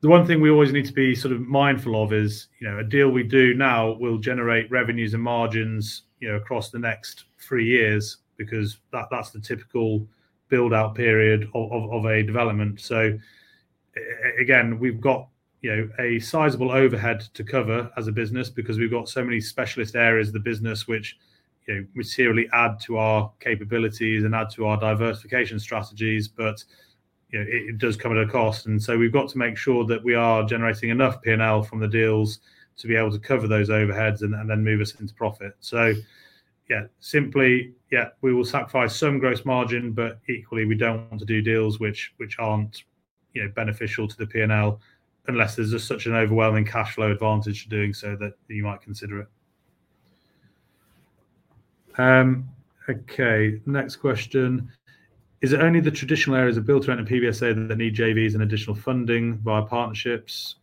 the one thing we always need to be sort of mindful of is a deal we do now will generate revenues and margins across the next three years because that's the typical build-out period of a development. Again, we've got a sizable overhead to cover as a business because we've got so many specialist areas of the business which materially add to our capabilities and add to our diversification strategies, but it does come at a cost. We've got to make sure that we are generating enough P&L from the deals to be able to cover those overheads and then move us into profit. Yeah, simply, yeah, we will sacrifice some gross margin, but equally, we don't want to do deals which aren't beneficial to the P&L unless there's such an overwhelming cash flow advantage to doing so that you might consider it. Okay. Next question. Is it only the traditional areas of built-to-rent and PBSA that need JVs and additional funding via partnerships,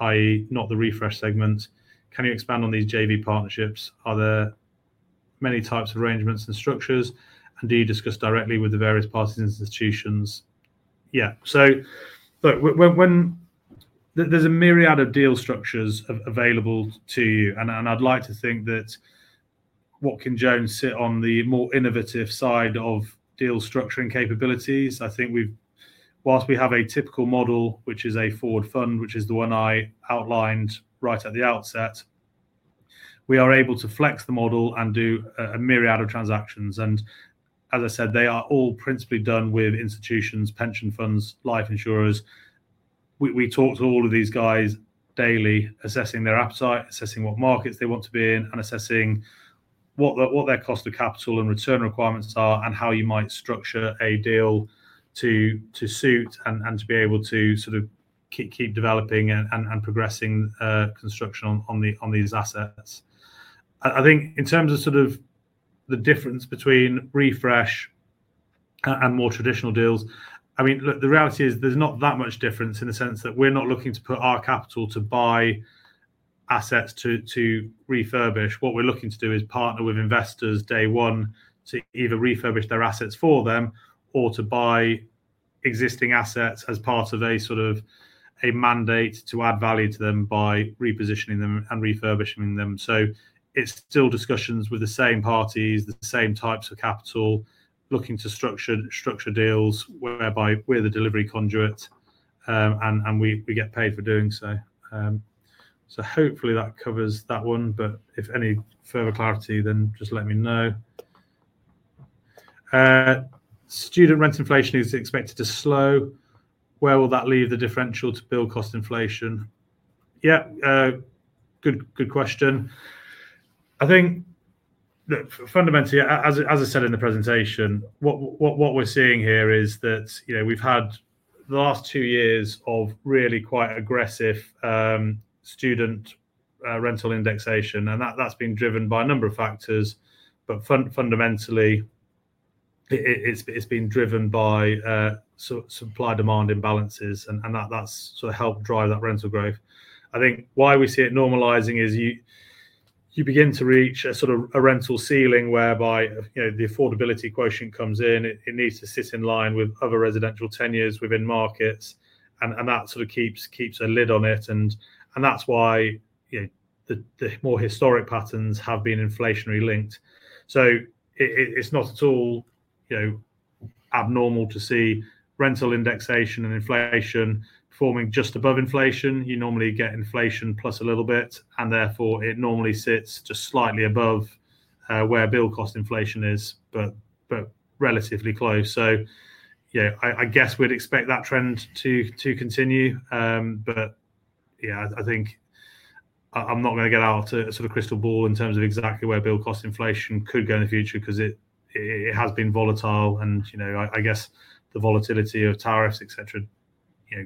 i.e., not the Refresh segment? Can you expand on these JV partnerships? Are there many types of arrangements and structures? And do you discuss directly with the various parties and institutions? Yeah. Look, there's a myriad of deal structures available to you. I'd like to think that Watkin Jones sit on the more innovative side of deal structuring capabilities. I think whilst we have a typical model, which is a forward fund, which is the one I outlined right at the outset, we are able to flex the model and do a myriad of transactions. As I said, they are all principally done with institutions, pension funds, life insurers. We talk to all of these guys daily, assessing their appetite, assessing what markets they want to be in, and assessing what their cost of capital and return requirements are and how you might structure a deal to suit and to be able to sort of keep developing and progressing construction on these assets. I think in terms of sort of the difference between Refresh and more traditional deals, I mean, look, the reality is there's not that much difference in the sense that we're not looking to put our capital to buy assets to refurbish. What we're looking to do is partner with investors day one to either refurbish their assets for them or to buy existing assets as part of a sort of a mandate to add value to them by repositioning them and refurbishing them. It's still discussions with the same parties, the same types of capital looking to structure deals whereby we're the delivery conduit and we get paid for doing so. Hopefully that covers that one, but if any further clarity, then just let me know. Student rent inflation is expected to slow. Where will that leave the differential to build cost inflation? Yeah. Good question. I think, look, fundamentally, as I said in the presentation, what we're seeing here is that we've had the last two years of really quite aggressive student rental indexation. That's been driven by a number of factors, but fundamentally, it's been driven by supply-demand imbalances, and that's sort of helped drive that rental growth. I think why we see it normalizing is you begin to reach a sort of a rental ceiling whereby the affordability quotient comes in. It needs to sit in line with other residential tenures within markets. That sort of keeps a lid on it. That is why the more historic patterns have been inflationary linked. It is not at all abnormal to see rental indexation and inflation forming just above inflation. You normally get inflation plus a little bit, and therefore, it normally sits just slightly above where build cost inflation is, but relatively close. I guess we would expect that trend to continue. Yeah, I think I am not going to get out a sort of crystal ball in terms of exactly where build cost inflation could go in the future because it has been volatile. I guess the volatility of tariffs, etc.,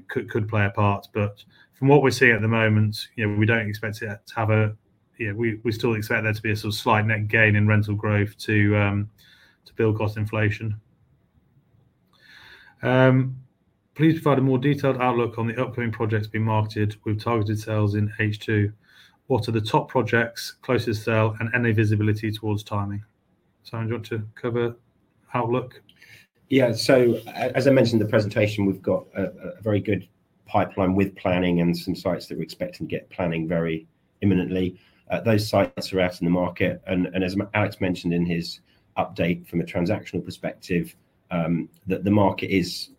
could play a part. From what we're seeing at the moment, we don't expect it to have a—we still expect there to be a sort of slight net gain in rental growth to build cost inflation. Please provide a more detailed outlook on the upcoming projects being marketed with targeted sales in H2. What are the top projects, closest sale, and any visibility towards timing? Simon, do you want to cover outlook? Yeah. As I mentioned in the presentation, we've got a very good pipeline with planning and some sites that we're expecting to get planning very imminently. Those sites are out in the market. As Alex mentioned in his update from a transactional perspective, the market is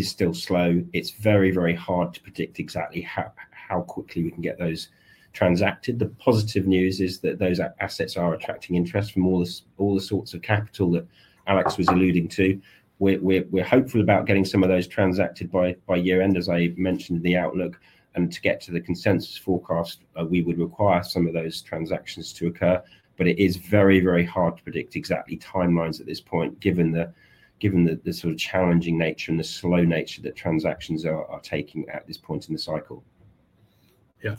still slow. It's very, very hard to predict exactly how quickly we can get those transacted. The positive news is that those assets are attracting interest from all the sorts of capital that Alex was alluding to. We're hopeful about getting some of those transacted by year-end, as I mentioned in the outlook. To get to the consensus forecast, we would require some of those transactions to occur. It is very, very hard to predict exactly timelines at this point, given the sort of challenging nature and the slow nature that transactions are taking at this point in the cycle. Yeah.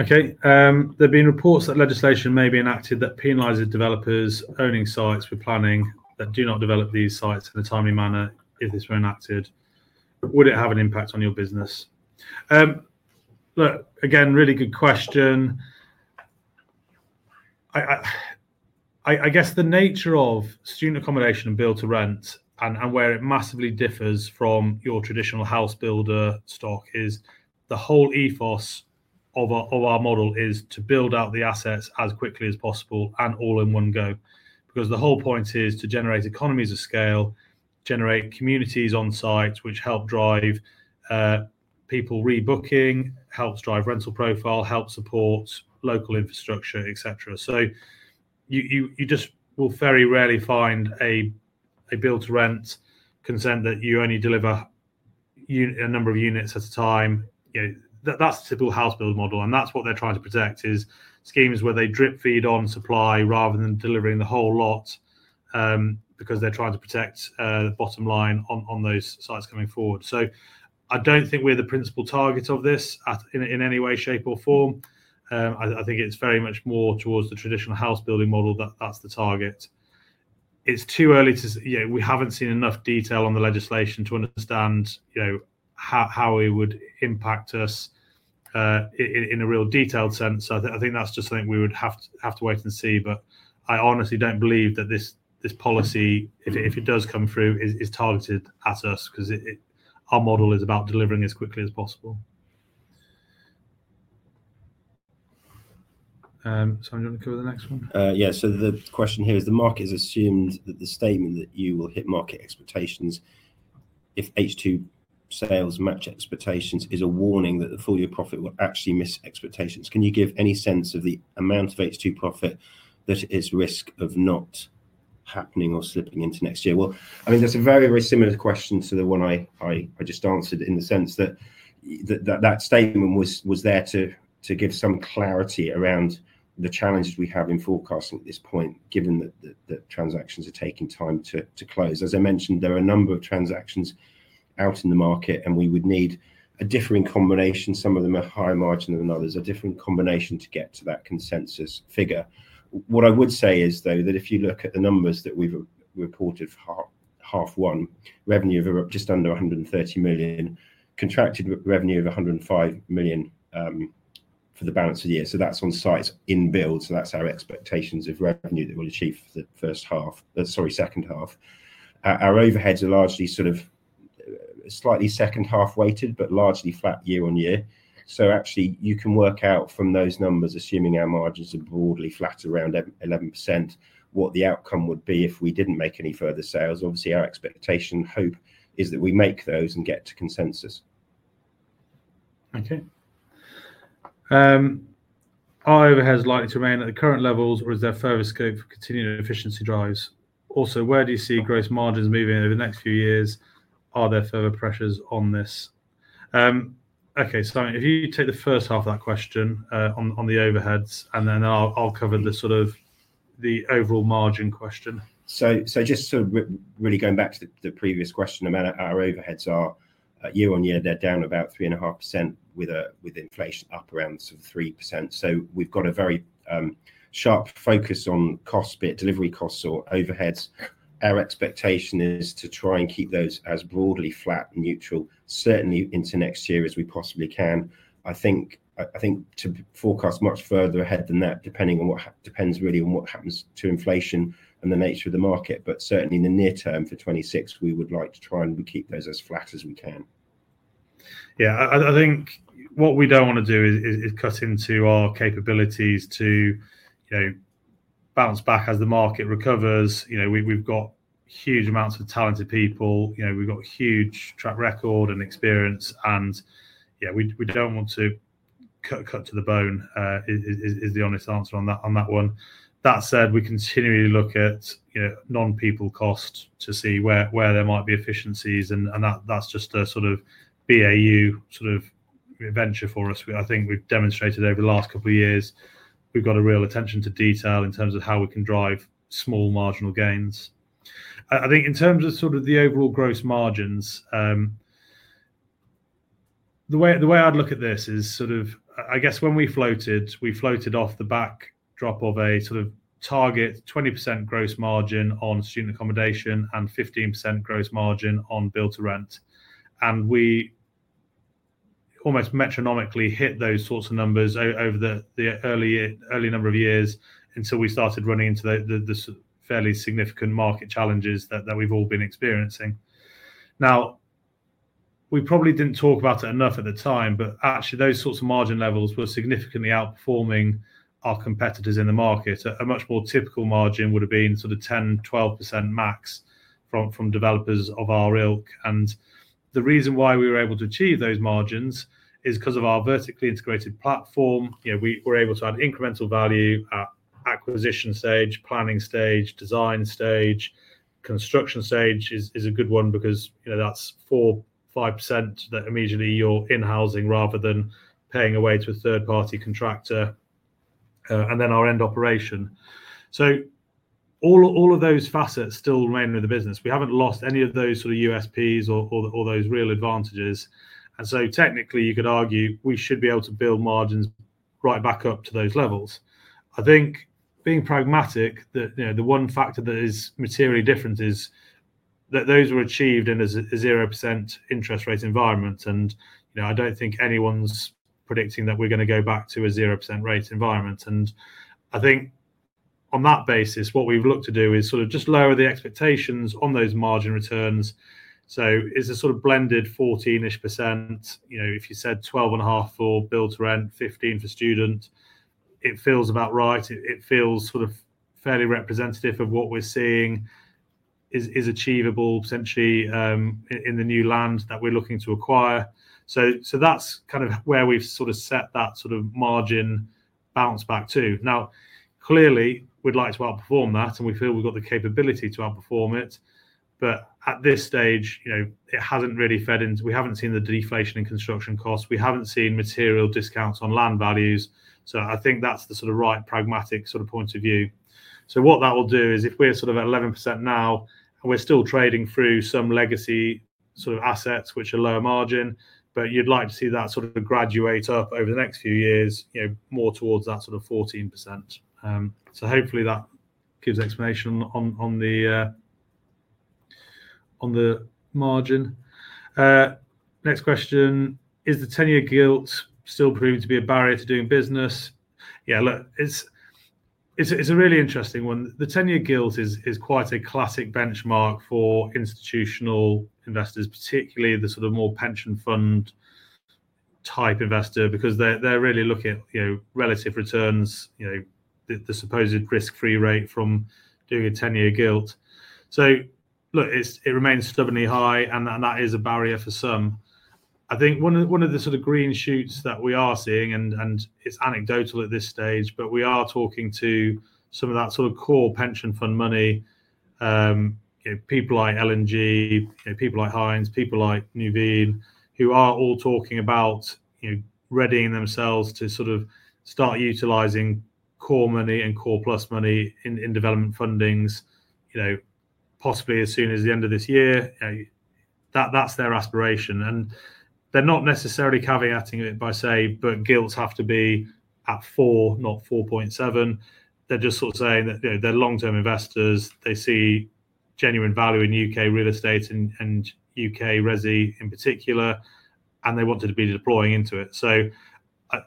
Okay. There have been reports that legislation may be enacted that penalizes developers owning sites with planning that do not develop these sites in a timely manner. If this were enacted, would it have an impact on your business? Look, again, really good question. I guess the nature of student accommodation and build-to-rent and where it massively differs from your traditional house builder stock is the whole ethos of our model is to build out the assets as quickly as possible and all in one go. Because the whole point is to generate economies of scale, generate communities on sites, which help drive people rebooking, helps drive rental profile, helps support local infrastructure, etc. You just will very rarely find a build-to-rent consent that you only deliver a number of units at a time. That is the typical house-build model. That is what they are trying to protect is schemes where they drip-feed on supply rather than delivering the whole lot because they are trying to protect the bottom line on those sites coming forward. I do not think we are the principal target of this in any way, shape, or form. I think it's very much more towards the traditional house-building model that that's the target. It's too early to say. We haven't seen enough detail on the legislation to understand how it would impact us in a real detailed sense. I think that's just something we would have to wait and see. I honestly don't believe that this policy, if it does come through, is targeted at us because our model is about delivering as quickly as possible. Simon, do you want to cover the next one? Yeah. The question here is the market has assumed that the statement that you will hit market expectations if H2 sales match expectations is a warning that the full-year profit will actually miss expectations. Can you give any sense of the amount of H2 profit that is at risk of not happening or slipping into next year? I mean, that's a very, very similar question to the one I just answered in the sense that that statement was there to give some clarity around the challenges we have in forecasting at this point, given that transactions are taking time to close. As I mentioned, there are a number of transactions out in the market, and we would need a differing combination. Some of them are higher margin than others, a differing combination to get to that consensus figure. What I would say is, though, that if you look at the numbers that we've reported for half one, revenue of just under 130 million, contracted revenue of 105 million for the balance of the year. That's on sites in build. That's our expectations of revenue that we'll achieve for the first half—sorry, second half. Our overheads are largely sort of slightly second half-weighted, but largely flat year on year. So actually, you can work out from those numbers, assuming our margins are broadly flat around 11%, what the outcome would be if we did not make any further sales. Obviously, our expectation hope is that we make those and get to consensus. Okay. Are overheads likely to remain at the current levels, or is there further scope for continued efficiency drives? Also, where do you see gross margins moving over the next few years? Are there further pressures on this? Okay. Simon, if you take the first half of that question on the overheads, and then I will cover the sort of the overall margin question. So just sort of really going back to the previous question, I mean, our overheads are year on year, they are down about 3.5% with inflation up around 3%. We have got a very sharp focus on cost, delivery costs, or overheads. Our expectation is to try and keep those as broadly flat and neutral, certainly into next year as we possibly can. I think to forecast much further ahead than that really depends on what happens to inflation and the nature of the market. Certainly in the near term for 2026, we would like to try and keep those as flat as we can. Yeah. I think what we do not want to do is cut into our capabilities to bounce back as the market recovers. We have got huge amounts of talented people. We have got a huge track record and experience. Yeah, we do not want to cut to the bone is the honest answer on that one. That said, we continually look at non-people cost to see where there might be efficiencies. That is just a sort of BAU sort of venture for us. I think we have demonstrated over the last couple of years, we have got a real attention to detail in terms of how we can drive small marginal gains. I think in terms of the overall gross margins, the way I would look at this is, I guess when we floated, we floated off the backdrop of a sort of target 20% gross margin on student accommodation and 15% gross margin on build-to-rent. We almost metronomically hit those sorts of numbers over the early number of years until we started running into the fairly significant market challenges that we have all been experiencing. We probably did not talk about it enough at the time, but actually those sorts of margin levels were significantly outperforming our competitors in the market. A much more typical margin would have been sort of 10%-12% max from developers of our ilk. The reason why we were able to achieve those margins is because of our vertically integrated platform. We're able to add incremental value at acquisition stage, planning stage, design stage. Construction stage is a good one because that's 4%-5% that immediately you're in-housing rather than paying away to a third-party contractor and then our end operation. All of those facets still remain with the business. We haven't lost any of those sort of USPs or those real advantages. Technically, you could argue we should be able to build margins right back up to those levels. I think being pragmatic, the one factor that is materially different is that those were achieved in a 0% interest rate environment. I do not think anyone is predicting that we are going to go back to a 0% rate environment. I think on that basis, what we have looked to do is sort of just lower the expectations on those margin returns. It is a sort of blended 14%-ish. If you said 12.5% for build-to-rent, 15% for student, it feels about right. It feels sort of fairly representative of what we are seeing is achievable, essentially, in the new land that we are looking to acquire. That is kind of where we have sort of set that sort of margin bounce back to. Clearly, we would like to outperform that, and we feel we have got the capability to outperform it. At this stage, it has not really fed into—we have not seen the deflation in construction costs. We have not seen material discounts on land values. I think that's the sort of right pragmatic sort of point of view. What that will do is if we're at 11% now, and we're still trading through some legacy sort of assets, which are lower margin, but you'd like to see that graduate up over the next few years more towards that 14%. Hopefully, that gives explanation on the margin. Next question. Is the 10-year gilt still proving to be a barrier to doing business? Yeah, look, it's a really interesting one. The 10-year gilt is quite a classic benchmark for institutional investors, particularly the more pension fund type investor, because they're really looking at relative returns, the supposed risk-free rate from doing a 10-year gilt. It remains stubbornly high, and that is a barrier for some. I think one of the sort of green shoots that we are seeing, and it's anecdotal at this stage, but we are talking to some of that sort of core pension fund money, people like Legal & General, people like Heinz, people like Nuveen, who are all talking about readying themselves to sort of start utilizing core money and core plus money in development fundings, possibly as soon as the end of this year. That's their aspiration. They're not necessarily caveating it by saying, "But gilts have to be at 4, not 4.7." They're just sort of saying that they're long-term investors. They see genuine value in U.K. real estate and U.K. resi in particular, and they wanted to be deploying into it.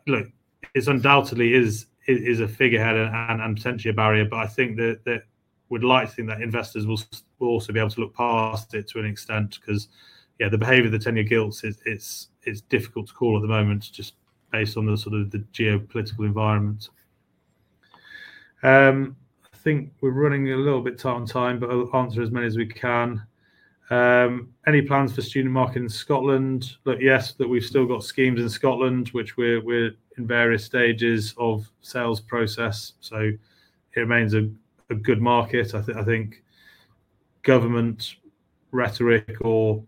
Look, it undoubtedly is a figurehead and potentially a barrier, but I think that we'd like to think that investors will also be able to look past it to an extent because, yeah, the behavior of the 10-year gilts, it's difficult to call at the moment just based on the sort of geopolitical environment. I think we're running a little bit tight on time, but I'll answer as many as we can. Any plans for student market in Scotland? Look, yes, we've still got schemes in Scotland, which are in various stages of sales process. It remains a good market. I think government rhetoric or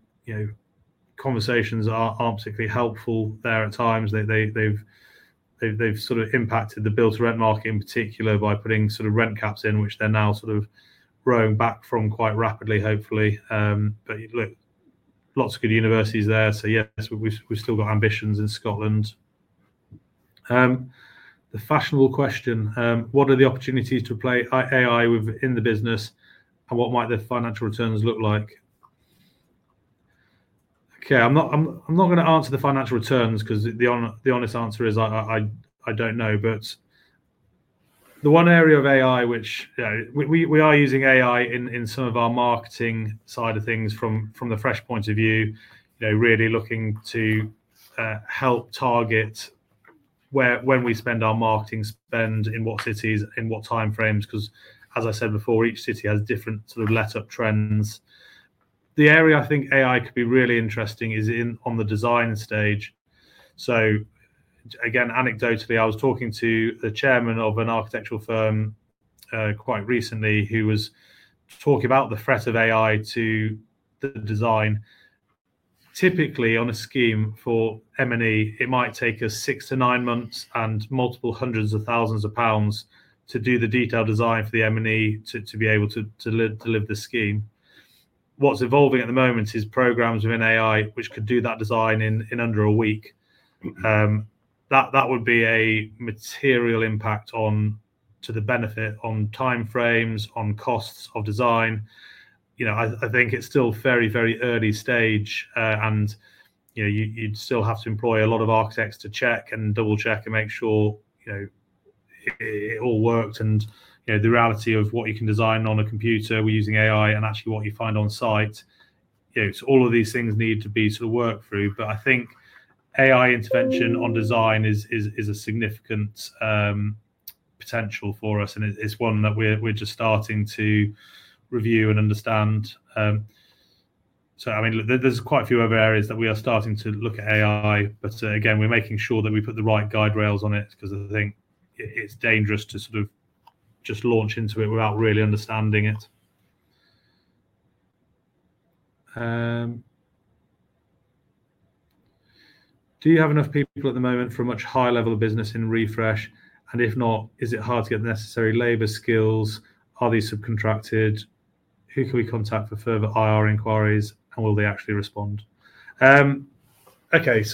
conversations aren't particularly helpful there at times. They've sort of impacted the build-to-rent market in particular by putting sort of rent caps in, which they're now sort of rowing back from quite rapidly, hopefully. Look, lots of good universities there. Yes, we've still got ambitions in Scotland. The fashionable question, what are the opportunities to play AI in the business, and what might the financial returns look like? Okay. I'm not going to answer the financial returns because the honest answer is I don't know. The one area of AI, which we are using AI in some of our marketing side of things from the Fresh point of view, really looking to help target when we spend our marketing spend in what cities, in what time frames. As I said before, each city has different sort of let-up trends. The area I think AI could be really interesting is on the design stage. Again, anecdotally, I was talking to the chairman of an architectural firm quite recently who was talking about the threat of AI to the design. Typically, on a scheme for M&E, it might take us six to nine months and multiple hundreds of thousands of GBP to do the detailed design for the M&E to be able to deliver the scheme. What's evolving at the moment is programs within AI which could do that design in under a week. That would be a material impact to the benefit on time frames, on costs of design. I think it's still very, very early stage, and you'd still have to employ a lot of architects to check and double-check and make sure it all worked. The reality of what you can design on a computer, we're using AI, and actually what you find on site. All of these things need to be sort of worked through. I think AI intervention on design is a significant potential for us, and it's one that we're just starting to review and understand. I mean, there's quite a few other areas that we are starting to look at AI, but again, we're making sure that we put the right guide rails on it because I think it's dangerous to sort of just launch into it without really understanding it. Do you have enough people at the moment for a much higher level of business in Refresh? If not, is it hard to get the necessary labor skills? Are these subcontracted? Who can we contact for further IR inquiries, and will they actually respond? Okay.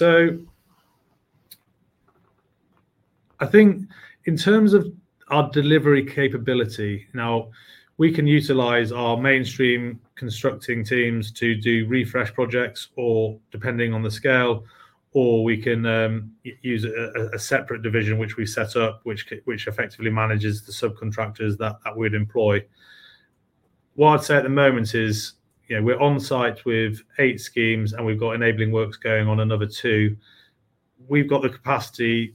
I think in terms of our delivery capability, now, we can utilize our mainstream constructing teams to do refresh projects or depending on the scale, or we can use a separate division which we set up, which effectively manages the subcontractors that we'd employ. What I'd say at the moment is we're on site with eight schemes, and we've got enabling works going on another two. We've got the capacity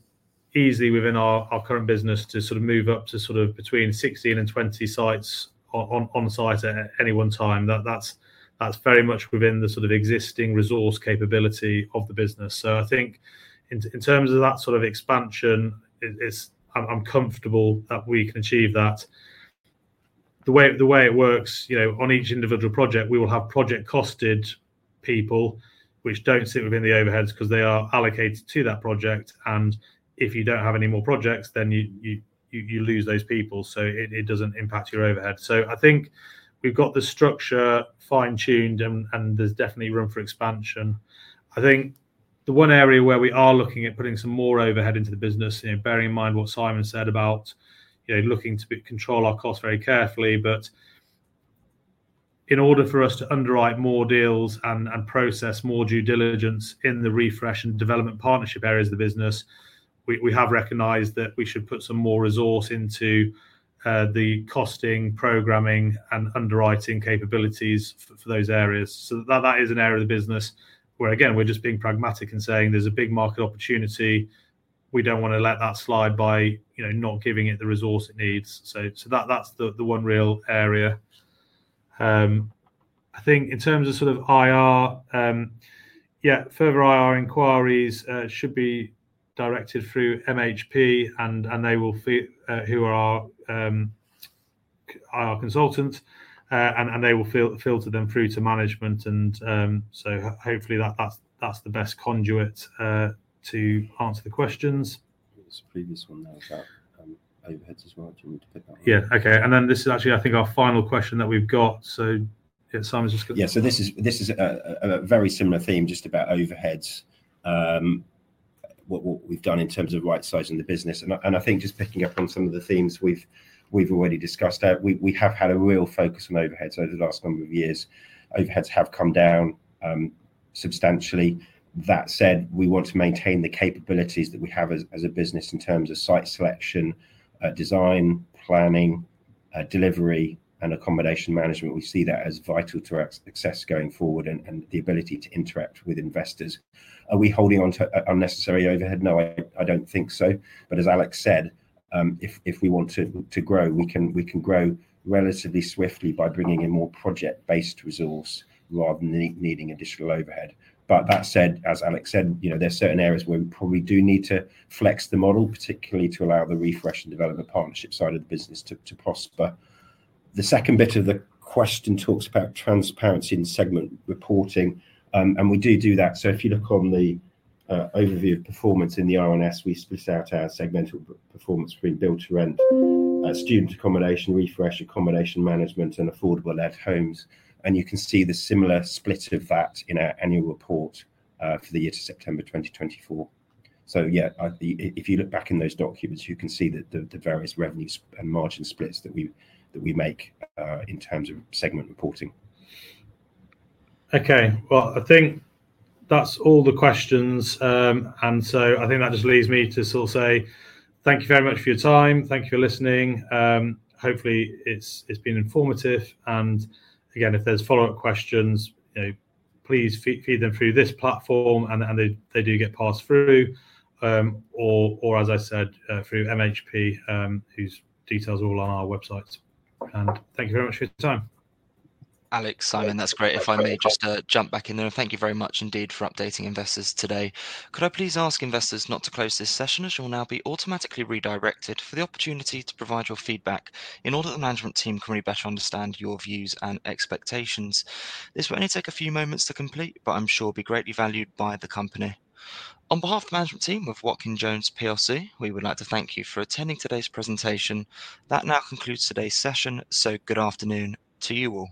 easily within our current business to sort of move up to between 16 and 20 sites on site at any one time. That's very much within the existing resource capability of the business. I think in terms of that sort of expansion, I'm comfortable that we can achieve that. The way it works, on each individual project, we will have project-costed people which do not sit within the overheads because they are allocated to that project. If you do not have any more projects, then you lose those people. It does not impact your overhead. I think we have got the structure fine-tuned, and there is definitely room for expansion. I think the one area where we are looking at putting some more overhead into the business, bearing in mind what Simon said about looking to control our costs very carefully, but in order for us to underwrite more deals and process more due diligence in the Refresh and development partnership areas of the business, we have recognized that we should put some more resource into the costing, programming, and underwriting capabilities for those areas. That is an area of the business where, again, we're just being pragmatic and saying there's a big market opportunity. We don't want to let that slide by not giving it the resource it needs. That's the one real area. I think in terms of sort of IR, yeah, further IR inquiries should be directed through MHP, who are our consultants, and they will filter them through to management. Hopefully, that's the best conduit to answer the questions. There was the previous one there about overheads as well. Do you want me to pick that one? Yeah. This is actually, I think, our final question that we've got. Simon's just going to— Yeah. This is a very similar theme, just about overheads, what we've done in terms of right-sizing the business. I think just picking up on some of the themes we've already discussed, we have had a real focus on overheads over the last number of years. Overheads have come down substantially. That said, we want to maintain the capabilities that we have as a business in terms of site selection, design, planning, delivery, and accommodation management. We see that as vital to our success going forward and the ability to interact with investors. Are we holding on to unnecessary overhead? No, I don't think so. As Alex said, if we want to grow, we can grow relatively swiftly by bringing in more project-based resource rather than needing additional overhead. That said, as Alex said, there are certain areas where we probably do need to flex the model, particularly to allow the Refresh and development partnership side of the business to prosper. The second bit of the question talks about transparency in segment reporting, and we do do that. If you look on the overview of performance in the R&S, we split out our segmental performance between build-to-rent, student accommodation, refresh accommodation management, and affordable-led homes. You can see the similar split of that in our annual report for the year to September 2024. If you look back in those documents, you can see the various revenues and margin splits that we make in terms of segment reporting. Okay. I think that's all the questions. I think that just leaves me to sort of say, thank you very much for your time. Thank you for listening. Hopefully, it's been informative. If there are follow-up questions, please feed them through this platform, and they do get passed through, or as I said, through MHP, whose details are all on our website. Thank you very much for your time. Alex, Simon, that's great. If I may just jump back in there, thank you very much indeed for updating investors today. Could I please ask investors not to close this session as you will now be automatically redirected for the opportunity to provide your feedback in order that the management team can really better understand your views and expectations? This will only take a few moments to complete, but I am sure it will be greatly valued by the company. On behalf of the management team of Watkin Jones, we would like to thank you for attending today's presentation. That now concludes today's session. Good afternoon to you all.